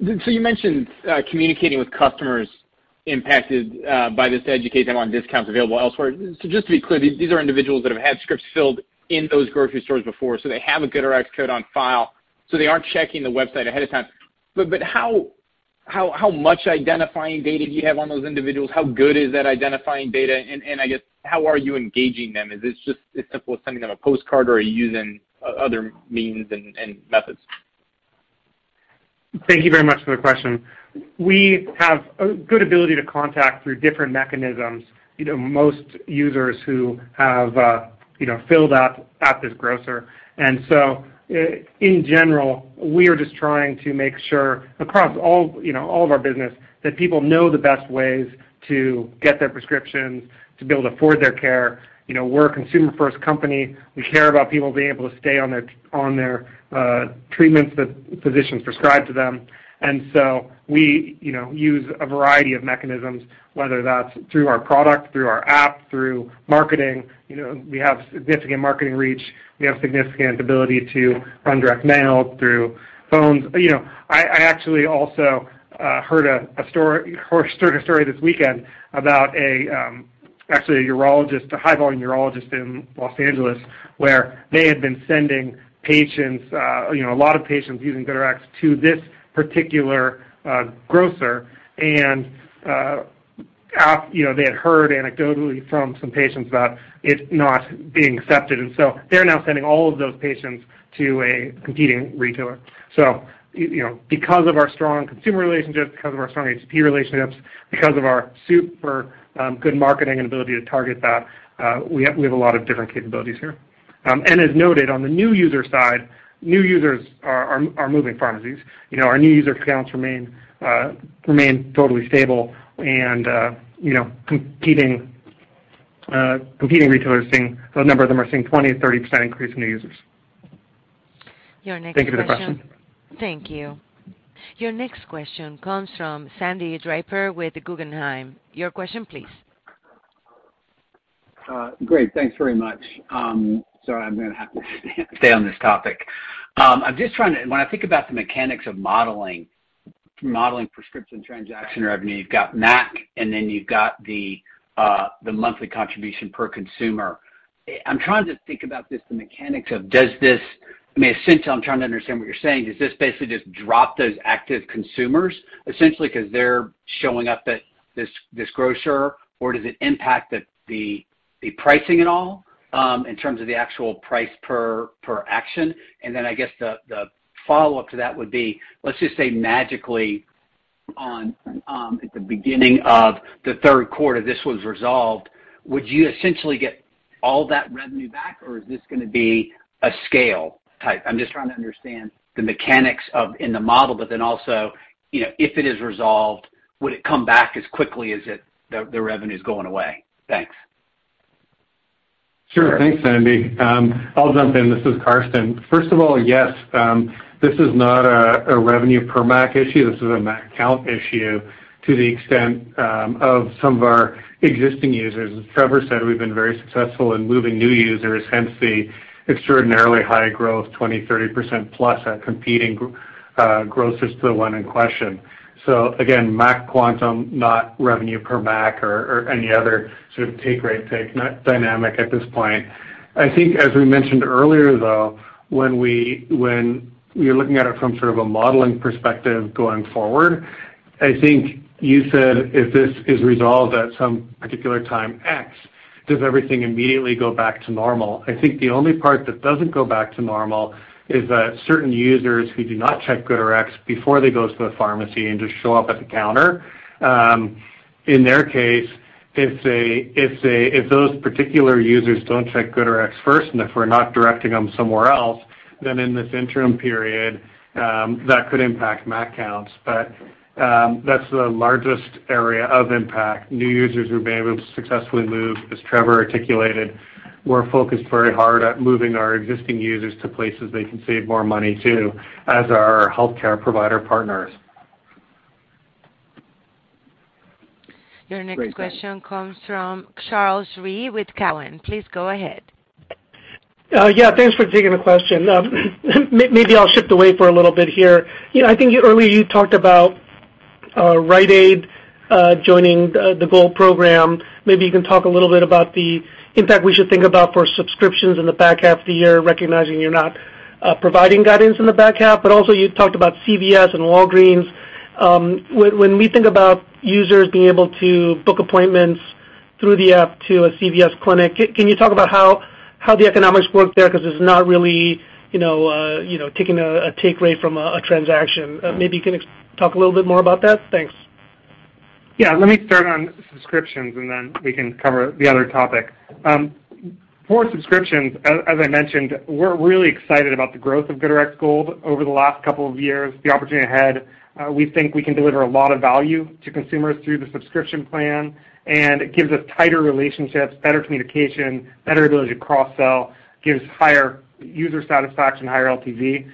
J: You mentioned communicating with customers impacted by this to educate them on discounts available elsewhere. Just to be clear, these are individuals that have had scripts filled in those grocery stores before, so they have a GoodRx code on file, so they aren't checking the website ahead of time. How much identifying data do you have on those individuals? How good is that identifying data? I guess, how are you engaging them? Is this just as simple as sending them a postcard or are you using other means and methods?
D: Thank you very much for the question. We have a good ability to contact through different mechanisms, you know, most users who have, you know, filled up at this grocer. In general, we are just trying to make sure across all, you know, all of our business, that people know the best ways to get their prescriptions, to be able to afford their care. You know, we're a consumer first company. We care about people being able to stay on their treatments that physicians prescribe to them. We, you know, use a variety of mechanisms, whether that's through our product, through our app, through marketing. You know, we have significant marketing reach. We have significant ability to run direct mail through phones. You know, I actually also heard a sort of story this weekend about actually a urologist, a high-volume urologist in Los Angeles, where they had been sending patients, you know, a lot of patients using GoodRx to this particular grocer. You know, they had heard anecdotally from some patients that it's not being accepted, and so they're now sending all of those patients to a competing retailer. You know, because of our strong consumer relationships, because of our strong HCP relationships, because of our super good marketing and ability to target that, we have a lot of different capabilities here. As noted on the new user side, new users are moving pharmacies. You know, our new user counts remain totally stable and, you know, competing retailers are seeing, a number of them are seeing 20%-30% increase in new users.
A: Your next question.
D: Thank you for the question.
A: Thank you. Your next question comes from Sandy Draper with Guggenheim. Your question please.
K: Great. Thanks very much. I'm gonna have to stay on this topic. I'm just trying to, when I think about the mechanics of modeling prescription transaction revenue, you've got MAC, and then you've got the monthly contribution per consumer. I'm trying to think about this, the mechanics of does this. I mean, essentially, I'm trying to understand what you're saying. Does this basically just drop those active consumers essentially because they're showing up at this grocer? Or does it impact the pricing at all in terms of the actual price per action? And then I guess the follow-up to that would be, let's just say magically on at the beginning of the third quarter, this was resolved. Would you essentially get all that revenue back, or is this gonna be a scale type? I'm just trying to understand the mechanics of in the model, but then also, you know, if it is resolved, would it come back as quickly as it the revenue is going away? Thanks.
D: Sure. Thanks, Sandy. I'll jump in. This is Karsten. First of all, yes, this is not a revenue per MAC issue. This is a MAC count issue to the extent of some of our existing users. As Trevor said, we've been very successful in moving new users, hence the extraordinarily high growth, 20, 30% plus at competing grocers to the one in question. So again, MAC quantum, not revenue per MAC or any other sort of take rate, not dynamic at this point. I think as we mentioned earlier, though, when you're looking at it from sort of a modeling perspective going forward, I think you said if this is resolved at some particular time X, does everything immediately go back to normal? I think the only part that doesn't go back to normal is that certain users who do not check GoodRx before they go to the pharmacy and just show up at the counter, in their case, if those particular users don't check GoodRx first, and if we're not directing them somewhere else, then in this interim period, that could impact MAC counts. That's the largest area of impact. New users we've been able to successfully move, as Trevor articulated. We're focused very hard at moving our existing users to places they can save more money too, as are our healthcare provider partners.
A: Your next question comes from Charles Rhyee with Cowen. Please go ahead.
L: Yeah, thanks for taking the question. Maybe I'll shift away for a little bit here. You know, I think earlier you talked about Rite Aid joining the Gold program. Maybe you can talk a little bit about the impact we should think about for subscriptions in the back half of the year, recognizing you're not providing guidance in the back half. Also you talked about CVS and Walgreens. When we think about users being able to book appointments through the app to a CVS clinic, can you talk about how the economics work there? Because it's not really, you know, taking a take rate from a transaction. Maybe you can talk a little bit more about that. Thanks.
D: Yeah. Let me start on subscriptions, and then we can cover the other topic. For subscriptions, as I mentioned, we're really excited about the growth of GoodRx Gold over the last couple of years, the opportunity ahead. We think we can deliver a lot of value to consumers through the subscription plan, and it gives us tighter relationships, better communication, better ability to cross-sell, gives higher user satisfaction, higher LTV.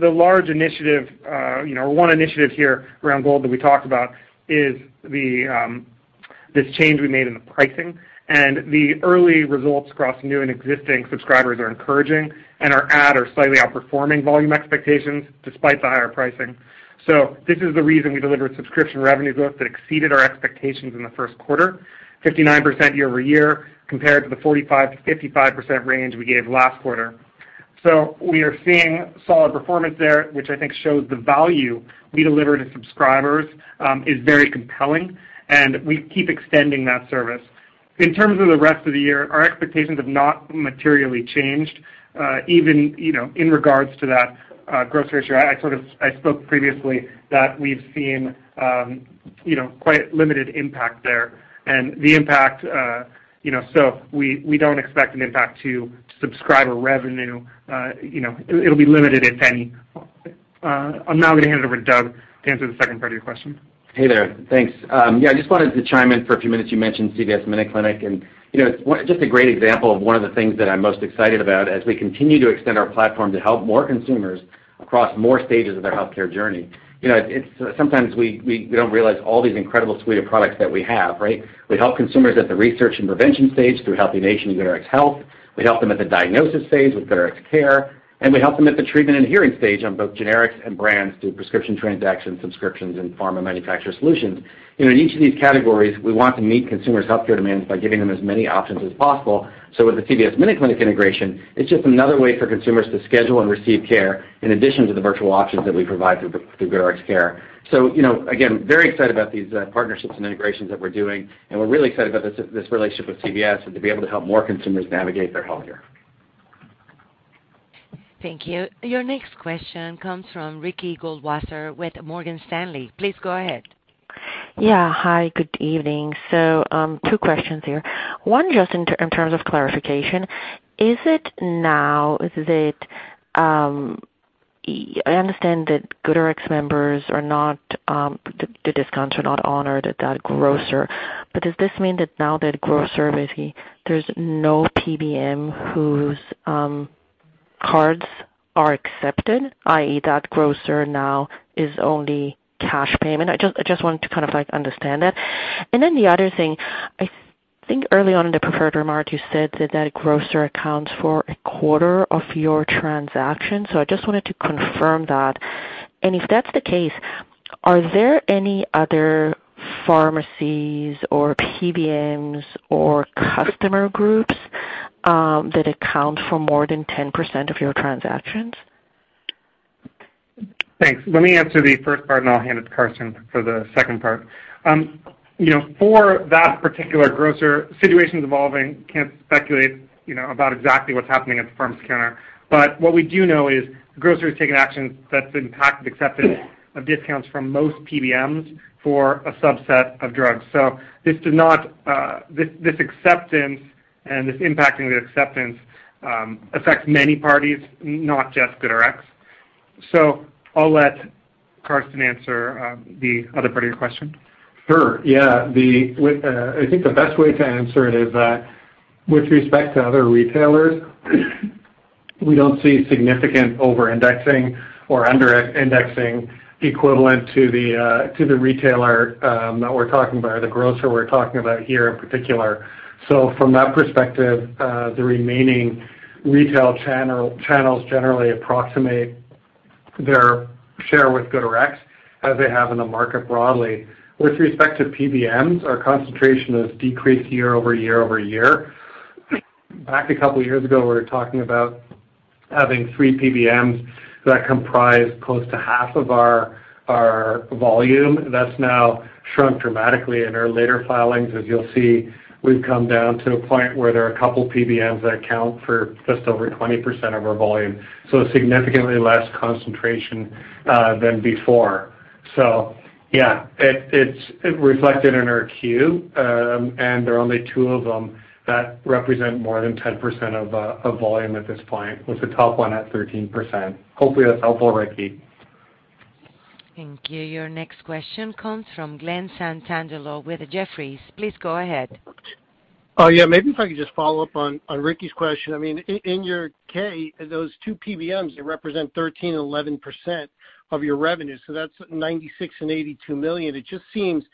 D: The large initiative, you know, or one initiative here around Gold that we talked about is this change we made in the pricing. The early results across new and existing subscribers are encouraging and are at or slightly outperforming volume expectations despite the higher pricing. This is the reason we delivered subscription revenue growth that exceeded our expectations in the first quarter, 59% year-over-year compared to the 45%-55% range we gave last quarter. We are seeing solid performance there, which I think shows the value we deliver to subscribers, is very compelling, and we keep extending that service. In terms of the rest of the year, our expectations have not materially changed, even, you know, in regards to that, grocer issue. I sort of spoke previously that we've seen, you know, quite limited impact there. The impact, you know, we don't expect an impact to subscriber revenue. You know, it'll be limited, if any. I'm now gonna hand it over to Doug to answer the second part of your question.
C: Hey there. Thanks. Yeah, I just wanted to chime in for a few minutes. You mentioned CVS MinuteClinic, and you know, it's just a great example of one of the things that I'm most excited about as we continue to extend our platform to help more consumers across more stages of their healthcare journey. You know, it's sometimes we don't realize all these incredible suite of products that we have, right? We help consumers at the research and prevention stage through HealthiNation and GoodRx Health. We help them at the diagnosis stage with GoodRx Care, and we help them at the treatment and adhering stage on both generics and brands through prescription transactions, subscriptions, and pharma manufacturer solutions. You know, in each of these categories, we want to meet consumers' healthcare demands by giving them as many options as possible. With the CVS MinuteClinic integration, it's just another way for consumers to schedule and receive care in addition to the virtual options that we provide through GoodRx Care. You know, again, very excited about these partnerships and integrations that we're doing, and we're really excited about this relationship with CVS and to be able to help more consumers navigate their healthcare.
A: Thank you. Your next question comes from Ricky Goldwasser with Morgan Stanley. Please go ahead.
M: Yeah. Hi. Good evening. Two questions here. One, just in terms of clarification, is it now that I understand that GoodRx members are not the discounts are not honored at that grocer. Does this mean that now that grocer, basically there's no PBM whose cards are accepted, i.e., that grocer now is only cash payment? I just wanted to kind of, like, understand that. Then the other thing, I think early on in the prepared remarks, you said that that grocer accounts for a quarter of your transactions. I just wanted to confirm that. If that's the case- Are there any other pharmacies or PBMs or customer groups that account for more than 10% of your transactions?
D: Thanks. Let me answer the first part, and I'll hand it to Karsten for the second part. You know, for that particular grocer, situation's evolving, can't speculate, you know, about exactly what's happening at the pharmacy counter. What we do know is the grocer's taken action that's impacted acceptance of discounts from most PBMs for a subset of drugs. This acceptance and this impact on the acceptance affects many parties, not just GoodRx. I'll let Karsten answer the other part of your question.
E: Sure. Yeah. With, I think the best way to answer it is, with respect to other retailers, we don't see significant over-indexing or under-indexing equivalent to the, to the retailer, that we're talking about or the grocer we're talking about here in particular. From that perspective, the remaining retail channels generally approximate their share with GoodRx as they have in the market broadly. With respect to PBMs, our concentration has decreased year-over-year. Back a couple years ago, we were talking about having 3 PBMs that comprise close to half of our volume. That's now shrunk dramatically in our later filings. As you'll see, we've come down to a point where there are a couple PBMs that account for just over 20% of our volume. Significantly less concentration than before. Yeah, it's reflected in our Q, and there are only two of them that represent more than 10% of volume at this point, with the top one at 13%. Hopefully, that's helpful, Ricky.
A: Thank you. Your next question comes from Glenn Santangelo with Jefferies. Please go ahead.
N: Oh, yeah. Maybe if I could just follow up on Ricky's question. I mean, in your 10-K, those two PBMs, they represent 13% and 11% of your revenue. That's $96 million and $82 million. It just seems, you know,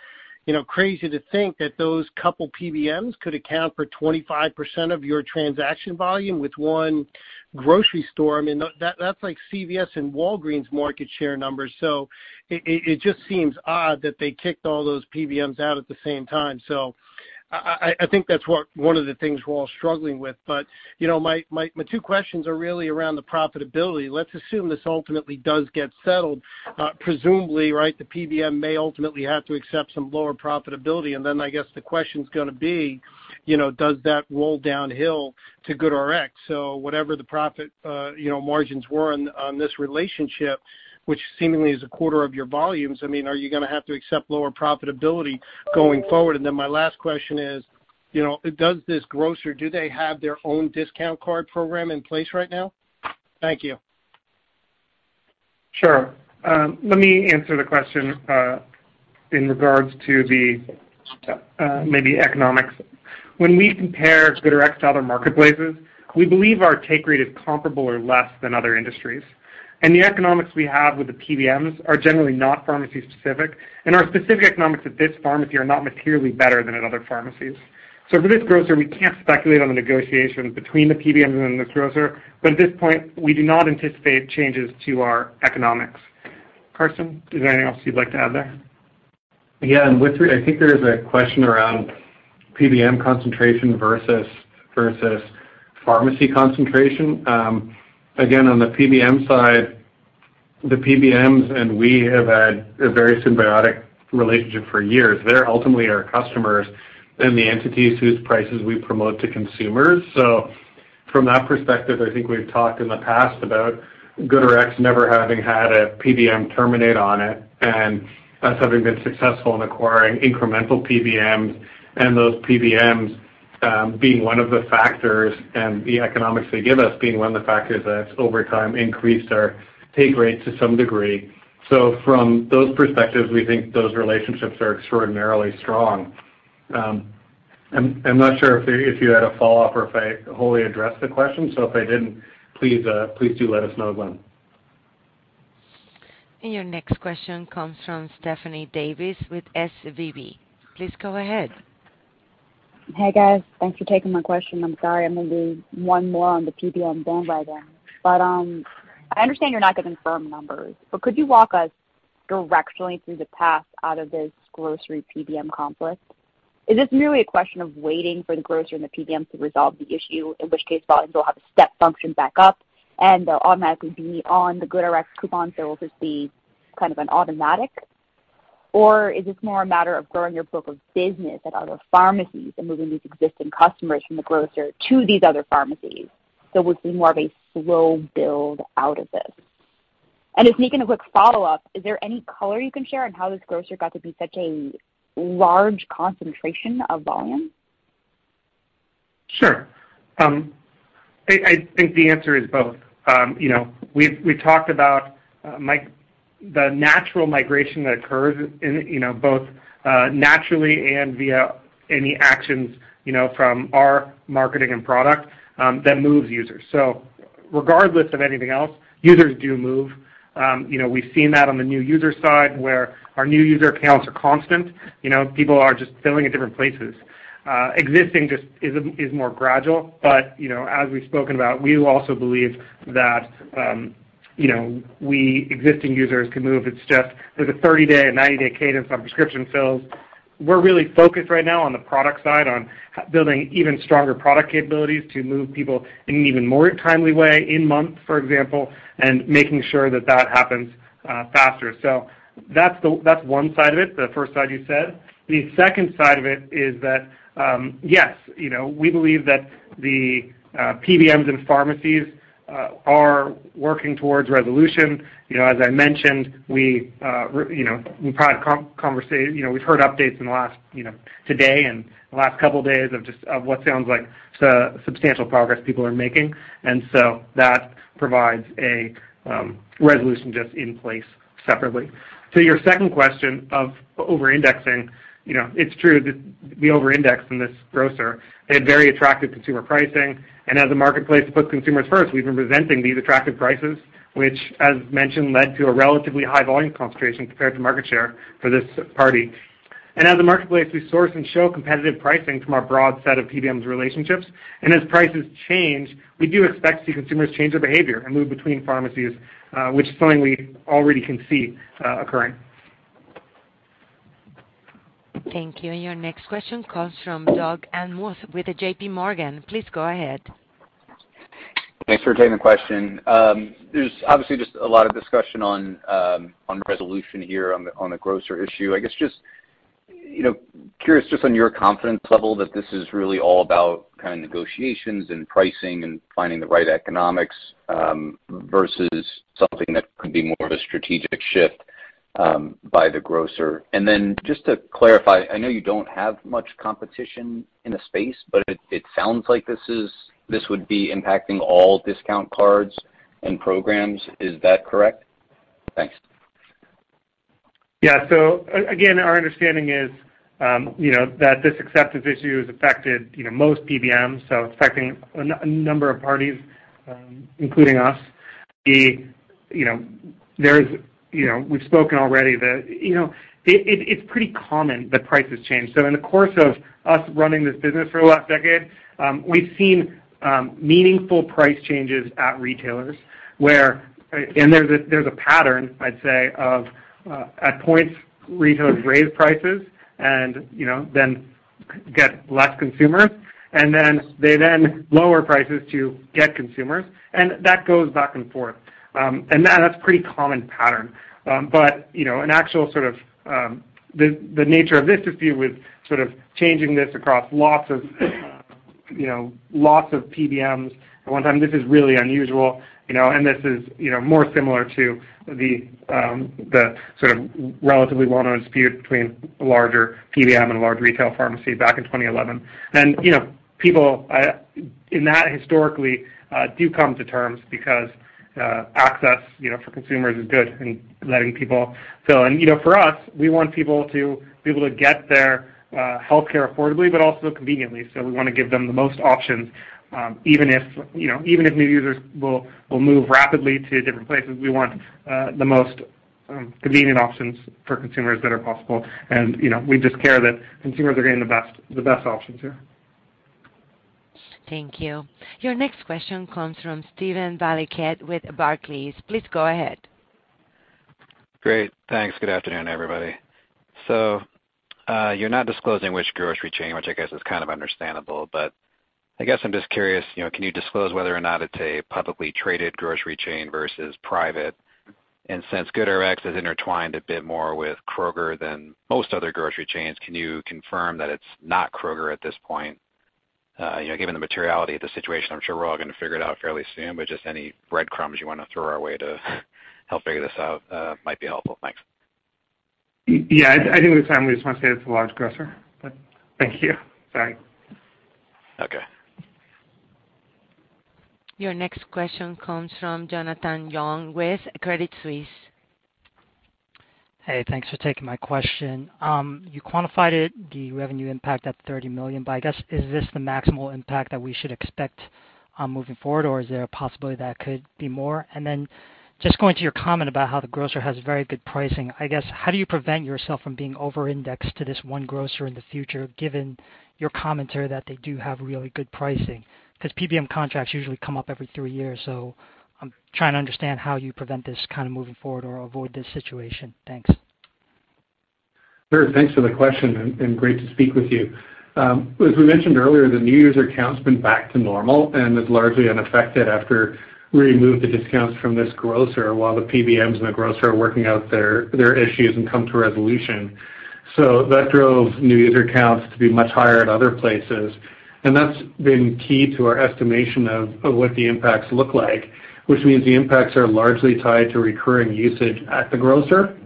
N: crazy to think that those couple PBMs could account for 25% of your transaction volume with one grocery store. I mean, that's like CVS and Walgreens market share numbers. It just seems odd that they kicked all those PBMs out at the same time. I think that's what one of the things we're all struggling with. You know, my two questions are really around the profitability. Let's assume this ultimately does get settled, presumably, right? The PBM may ultimately have to accept some lower profitability. I guess the question's gonna be, you know, does that roll downhill to GoodRx? Whatever the profit, you know, margins were on this relationship, which seemingly is a quarter of your volumes, I mean, are you gonna have to accept lower profitability going forward? My last question is, you know, does this grocer, do they have their own discount card program in place right now? Thank you.
D: Sure. Let me answer the question in regards to the maybe economics. When we compare GoodRx to other marketplaces, we believe our take rate is comparable or less than other industries. The economics we have with the PBMs are generally not pharmacy-specific, and our specific economics at this pharmacy are not materially better than at other pharmacies. For this grocer, we can't speculate on the negotiations between the PBMs and this grocer, but at this point, we do not anticipate changes to our economics. Karsten, is there anything else you'd like to add there?
E: Yeah. I think there is a question around PBM concentration versus pharmacy concentration. Again, on the PBM side, the PBMs and we have had a very symbiotic relationship for years. They're ultimately our customers and the entities whose prices we promote to consumers. From that perspective, I think we've talked in the past about GoodRx never having had a PBM terminate on it. Us having been successful in acquiring incremental PBMs and those PBMs being one of the factors and the economics they give us being one of the factors that's over time increased our take rate to some degree. From those perspectives, we think those relationships are extraordinarily strong. I'm not sure if you had a follow-up or if I wholly addressed the question. If I didn't, please do let us know, Glenn.
A: Your next question comes from Stephanie Davis with SVB. Please go ahead.
O: Hey, guys. Thanks for taking my question. I'm sorry, I'm gonna do one more on the PBM ban by them. I understand you're not giving firm numbers, but could you walk us directionally through the path out of this grocery PBM conflict? Is this merely a question of waiting for the grocer and the PBM to resolve the issue, in which case volumes will have a step function back up and they'll automatically be on the GoodRx coupon, so it'll just be kind of an automatic? Or is this more a matter of growing your book of business at other pharmacies and moving these existing customers from the grocer to these other pharmacies, so would be more of a slow build out of this? Just making a quick follow-up, is there any color you can share on how this grocer got to be such a large concentration of volume?
D: I think the answer is both. You know, we've talked about the natural migration that occurs in, you know, both, naturally and via any actions, you know, from our marketing and product, that moves users. Regardless of anything else, users do move. You know, we've seen that on the new user side, where our new user counts are constant. You know, people are just filling at different places. Existing is more gradual, but, you know, as we've spoken about, we also believe that, you know, that existing users can move. It's just there's a 30-day and 90-day cadence on prescription fills. We're really focused right now on the product side, on building even stronger product capabilities to move people in an even more timely way in month, for example, and making sure that happens, faster. That's one side of it, the first side you said. The second side of it is that, yes, you know, we believe that the PBMs and pharmacies are working toward resolution. You know, as I mentioned, you know, we've heard updates in the last, you know, today and the last couple days of just what sounds like substantial progress people are making. That provides a resolution just in place separately. To your second question of over-indexing, you know, it's true that we over-indexed in this grocer. They had very attractive consumer pricing. As a marketplace to put consumers first, we've been presenting these attractive prices, which as mentioned, led to a relatively high volume concentration compared to market share for this party. As a marketplace, we source and show competitive pricing from our broad set of PBMs relationships. As prices change, we do expect to see consumers change their behavior and move between pharmacies, which is something we already can see, occurring.
A: Thank you. Your next question comes from Doug Anmuth with JPMorgan. Please go ahead.
P: Thanks for taking the question. There's obviously just a lot of discussion on resolution here on the grocer issue. I guess just, you know, curious just on your confidence level that this is really all about kind of negotiations and pricing and finding the right economics versus something that could be more of a strategic shift by the grocer. Just to clarify, I know you don't have much competition in the space, but it sounds like this would be impacting all discount cards and programs. Is that correct? Thanks.
D: Yeah. Again, our understanding is, you know, that this acceptance issue has affected, you know, most PBMs, so affecting a number of parties, including us. You know, there's, you know, we've spoken already that, you know, it's pretty common that prices change. In the course of us running this business for the last decade, we've seen meaningful price changes at retailers where, and there's a pattern, I'd say, of at points, retailers raise prices and, you know, then get less consumers, and then they lower prices to get consumers, and that goes back and forth. That's pretty common pattern. You know, an actual sort of the nature of this dispute with sort of changing this across lots of, you know, lots of PBMs at one time, this is really unusual, you know, and this is, you know, more similar to the sort of relatively well-known dispute between larger PBM and large retail pharmacy back in 2011. People in that historically do come to terms because access, you know, for consumers is good and letting people. For us, we want people to be able to get their healthcare affordably, but also conveniently. We wanna give them the most options, even if, you know, even if new users will move rapidly to different places, we want the most convenient options for consumers that are possible. You know, we just care that consumers are getting the best options here.
A: Thank you. Your next question comes from Steven Valiquette with Barclays. Please go ahead.
Q: Great. Thanks. Good afternoon, everybody. You're not disclosing which grocery chain, which I guess is kind of understandable, but I guess I'm just curious, you know, can you disclose whether or not it's a publicly traded grocery chain versus private? Since GoodRx is intertwined a bit more with Kroger than most other grocery chains, can you confirm that it's not Kroger at this point? You know, given the materiality of the situation, I'm sure we're all gonna figure it out fairly soon, but just any breadcrumbs you wanna throw our way to help figure this out might be helpful. Thanks.
D: Yeah. I think we just want to say it's a large grocer, but thank you. Sorry.
Q: Okay.
A: Your next question comes from Jonathan Yong with Credit Suisse.
R: Hey, thanks for taking my question. You quantified it, the revenue impact at $30 million, but I guess, is this the maximal impact that we should expect, moving forward, or is there a possibility that could be more? Just going to your comment about how the grocer has very good pricing, I guess, how do you prevent yourself from being over-indexed to this one grocer in the future, given your commentary that they do have really good pricing? Because PBM contracts usually come up every three years, so I'm trying to understand how you prevent this kind of moving forward or avoid this situation. Thanks.
D: Sure. Thanks for the question and great to speak with you. As we mentioned earlier, the new user count's been back to normal and is largely unaffected after we removed the discounts from this grocer while the PBMs and the grocer are working out their issues and come to a resolution. That drove new user counts to be much higher at other places. That's been key to our estimation of what the impacts look like, which means the impacts are largely tied to recurring usage at the grocer,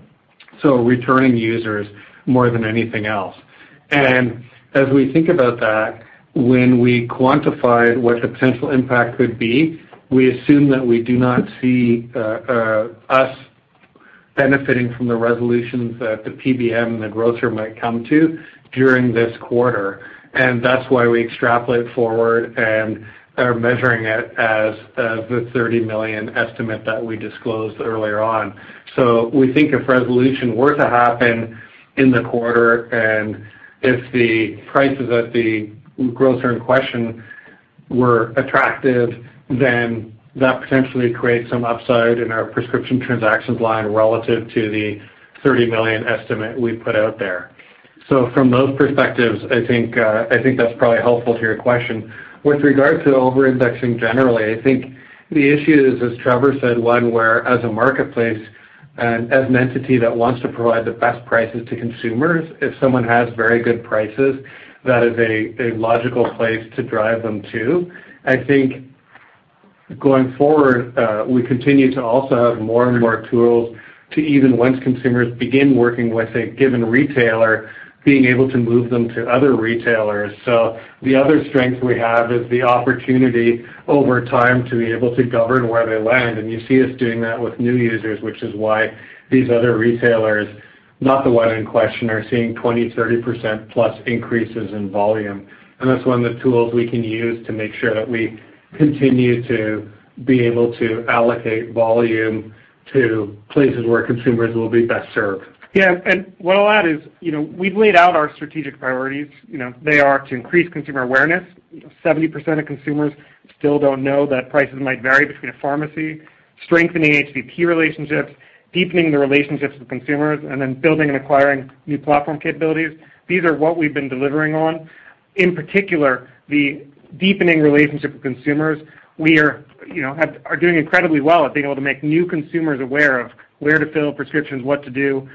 D: so returning users more than anything else. As we think about that, when we quantify what the potential impact could be, we assume that we do not see us benefiting from the resolutions that the PBM and the grocer might come to during this quarter. That's why we extrapolate forward and are measuring it as the $30 million estimate that we disclosed earlier on. We think if resolution were to happen in the quarter, and if the prices at the grocer in question
E: We're attractive, then that potentially creates some upside in our prescription transactions line relative to the 30 million estimate we put out there. From those perspectives, I think that's probably helpful to your question. With regard to over-indexing generally, I think the issue is, as Trevor said, one where as a marketplace and as an entity that wants to provide the best prices to consumers, if someone has very good prices, that is a logical place to drive them to. I think going forward, we continue to also have more and more tools to even once consumers begin working with a given retailer, being able to move them to other retailers. The other strength we have is the opportunity over time to be able to govern where they land, and you see us doing that with new users, which is why these other retailers, not the one in question, are seeing 20, 30% plus increases in volume. That's one of the tools we can use to make sure that we continue to be able to allocate volume to places where consumers will be best served.
D: Yeah. What I'll add is, you know, we've laid out our strategic priorities. You know, they are to increase consumer awareness. 70% of consumers still don't know that prices might vary between a pharmacy. Strengthening HCP relationships, deepening the relationships with consumers, and then building and acquiring new platform capabilities. These are what we've been delivering on. In particular, the deepening relationship with consumers. We are, you know, are doing incredibly well at being able to make new consumers aware of where to fill prescriptions, what to do.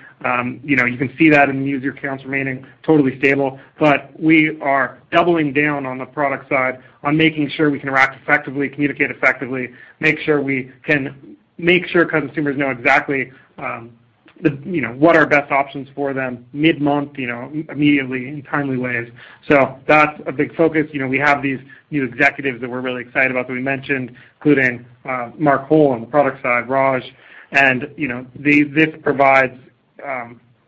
D: You know, you can see that in the user counts remaining totally stable. We are doubling down on the product side on making sure we can interact effectively, communicate effectively, make sure we can consumers know exactly, the, you know, what are best options for them mid-month, you know, immediately in timely ways. That's a big focus. You know, we have these new executives that we're really excited about that we mentioned, including Mark Hull on the product side, Raj. This provides.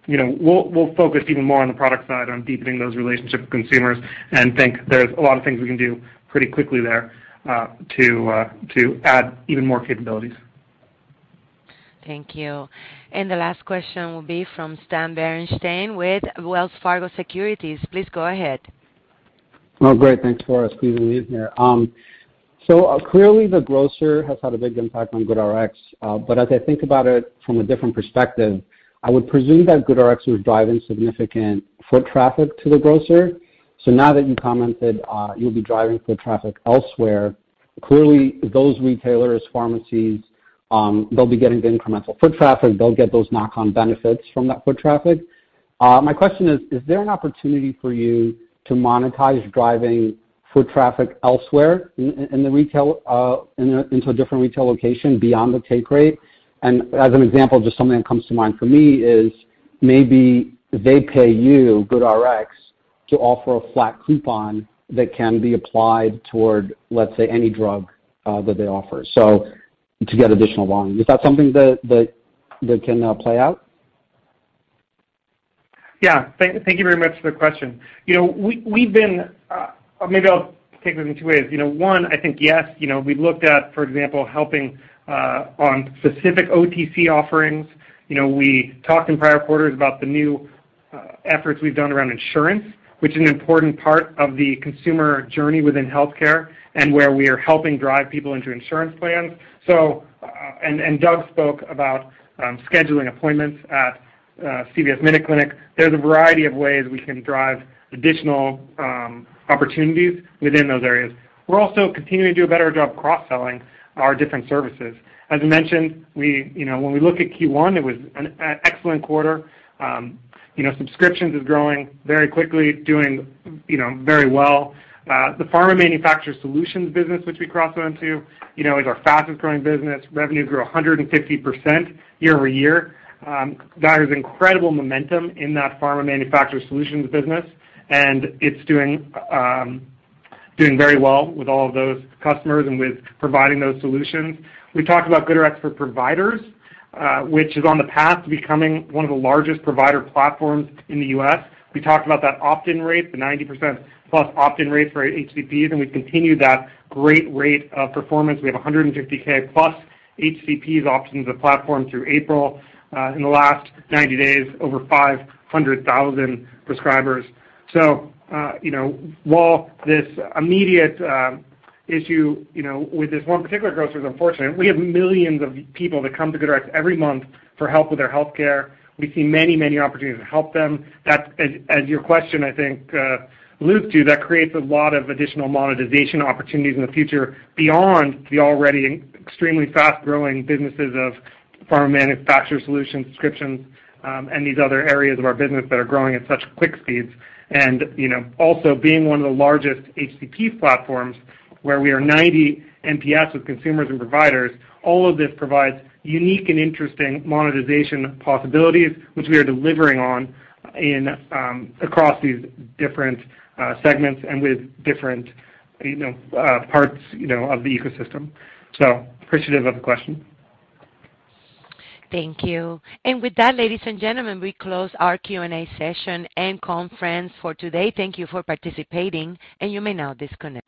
D: We'll focus even more on the product side on deepening those relationships with consumers and think there's a lot of things we can do pretty quickly there to add even more capabilities.
A: Thank you. The last question will be from Stan Berenshteyn with Wells Fargo Securities. Please go ahead.
S: Oh, great. Thanks, Flsqueezing me in here. Clearly, the grocer has had a big impact on GoodRx. As I think about it from a different perspective, I would presume that GoodRx was driving significant foot traffic to the grocer. Now that you commented, you'll be driving foot traffic elsewhere. Clearly those retailers, pharmacies, they'll be getting the incremental foot traffic. They'll get those knock-on benefits from that foot traffic. My question is: Is there an opportunity for you to monetize driving foot traffic elsewhere in the retail into a different retail location beyond the take rate? As an example, just something that comes to mind for me is maybe they pay you, GoodRx, to offer a flat coupon that can be applied toward, let's say, any drug that they offer, so to get additional volume. Is that something that can play out?
D: Yeah. Thank you very much for the question. You know, or maybe I'll take this in two ways. You know, one, I think, yes. You know, we've looked at, for example, helping on specific OTC offerings. You know, we talked in prior quarters about the new efforts we've done around insurance, which is an important part of the consumer journey within healthcare and where we are helping drive people into insurance plans. And Doug spoke about scheduling appointments at CVS MinuteClinic. There's a variety of ways we can drive additional opportunities within those areas. We're also continuing to do a better job cross-selling our different services. As I mentioned, you know, when we look at Q1, it was an excellent quarter. You know, subscriptions is growing very quickly, doing, you know, very well. The pharma manufacturer solutions business, which we cross sell into, you know, is our fastest growing business. Revenue grew 150% year-over-year. That is incredible momentum in that pharma manufacturer solutions business, and it's doing very well with all of those customers and with providing those solutions. We talked about GoodRx for Providers, which is on the path to becoming one of the largest provider platforms in the U.S. We talked about that opt-in rate, the 90% plus opt-in rate for HCPs, and we've continued that great rate of performance. We have 150K plus HCPs opt into the platform through April. In the last 90 days, over 500,000 prescribers. You know, while this immediate issue you know, with this one particular grocer is unfortunate, we have millions of people that come to GoodRx every month for help with their healthcare. We see many, many opportunities to help them. That, as your question, I think alludes to, that creates a lot of additional monetization opportunities in the future beyond the already extremely fast-growing businesses of pharma manufacturer solutions, subscriptions, and these other areas of our business that are growing at such quick speeds. You know, also being one of the largest HCP platforms where we are 90 NPS with consumers and providers, all of this provides unique and interesting monetization possibilities which we are delivering on in across these different segments and with different you know parts you know of the ecosystem. Appreciative of the question.
A: Thank you. With that, ladies and gentlemen, we close our Q&A session and conference for today. Thank you for participating, and you may now disconnect.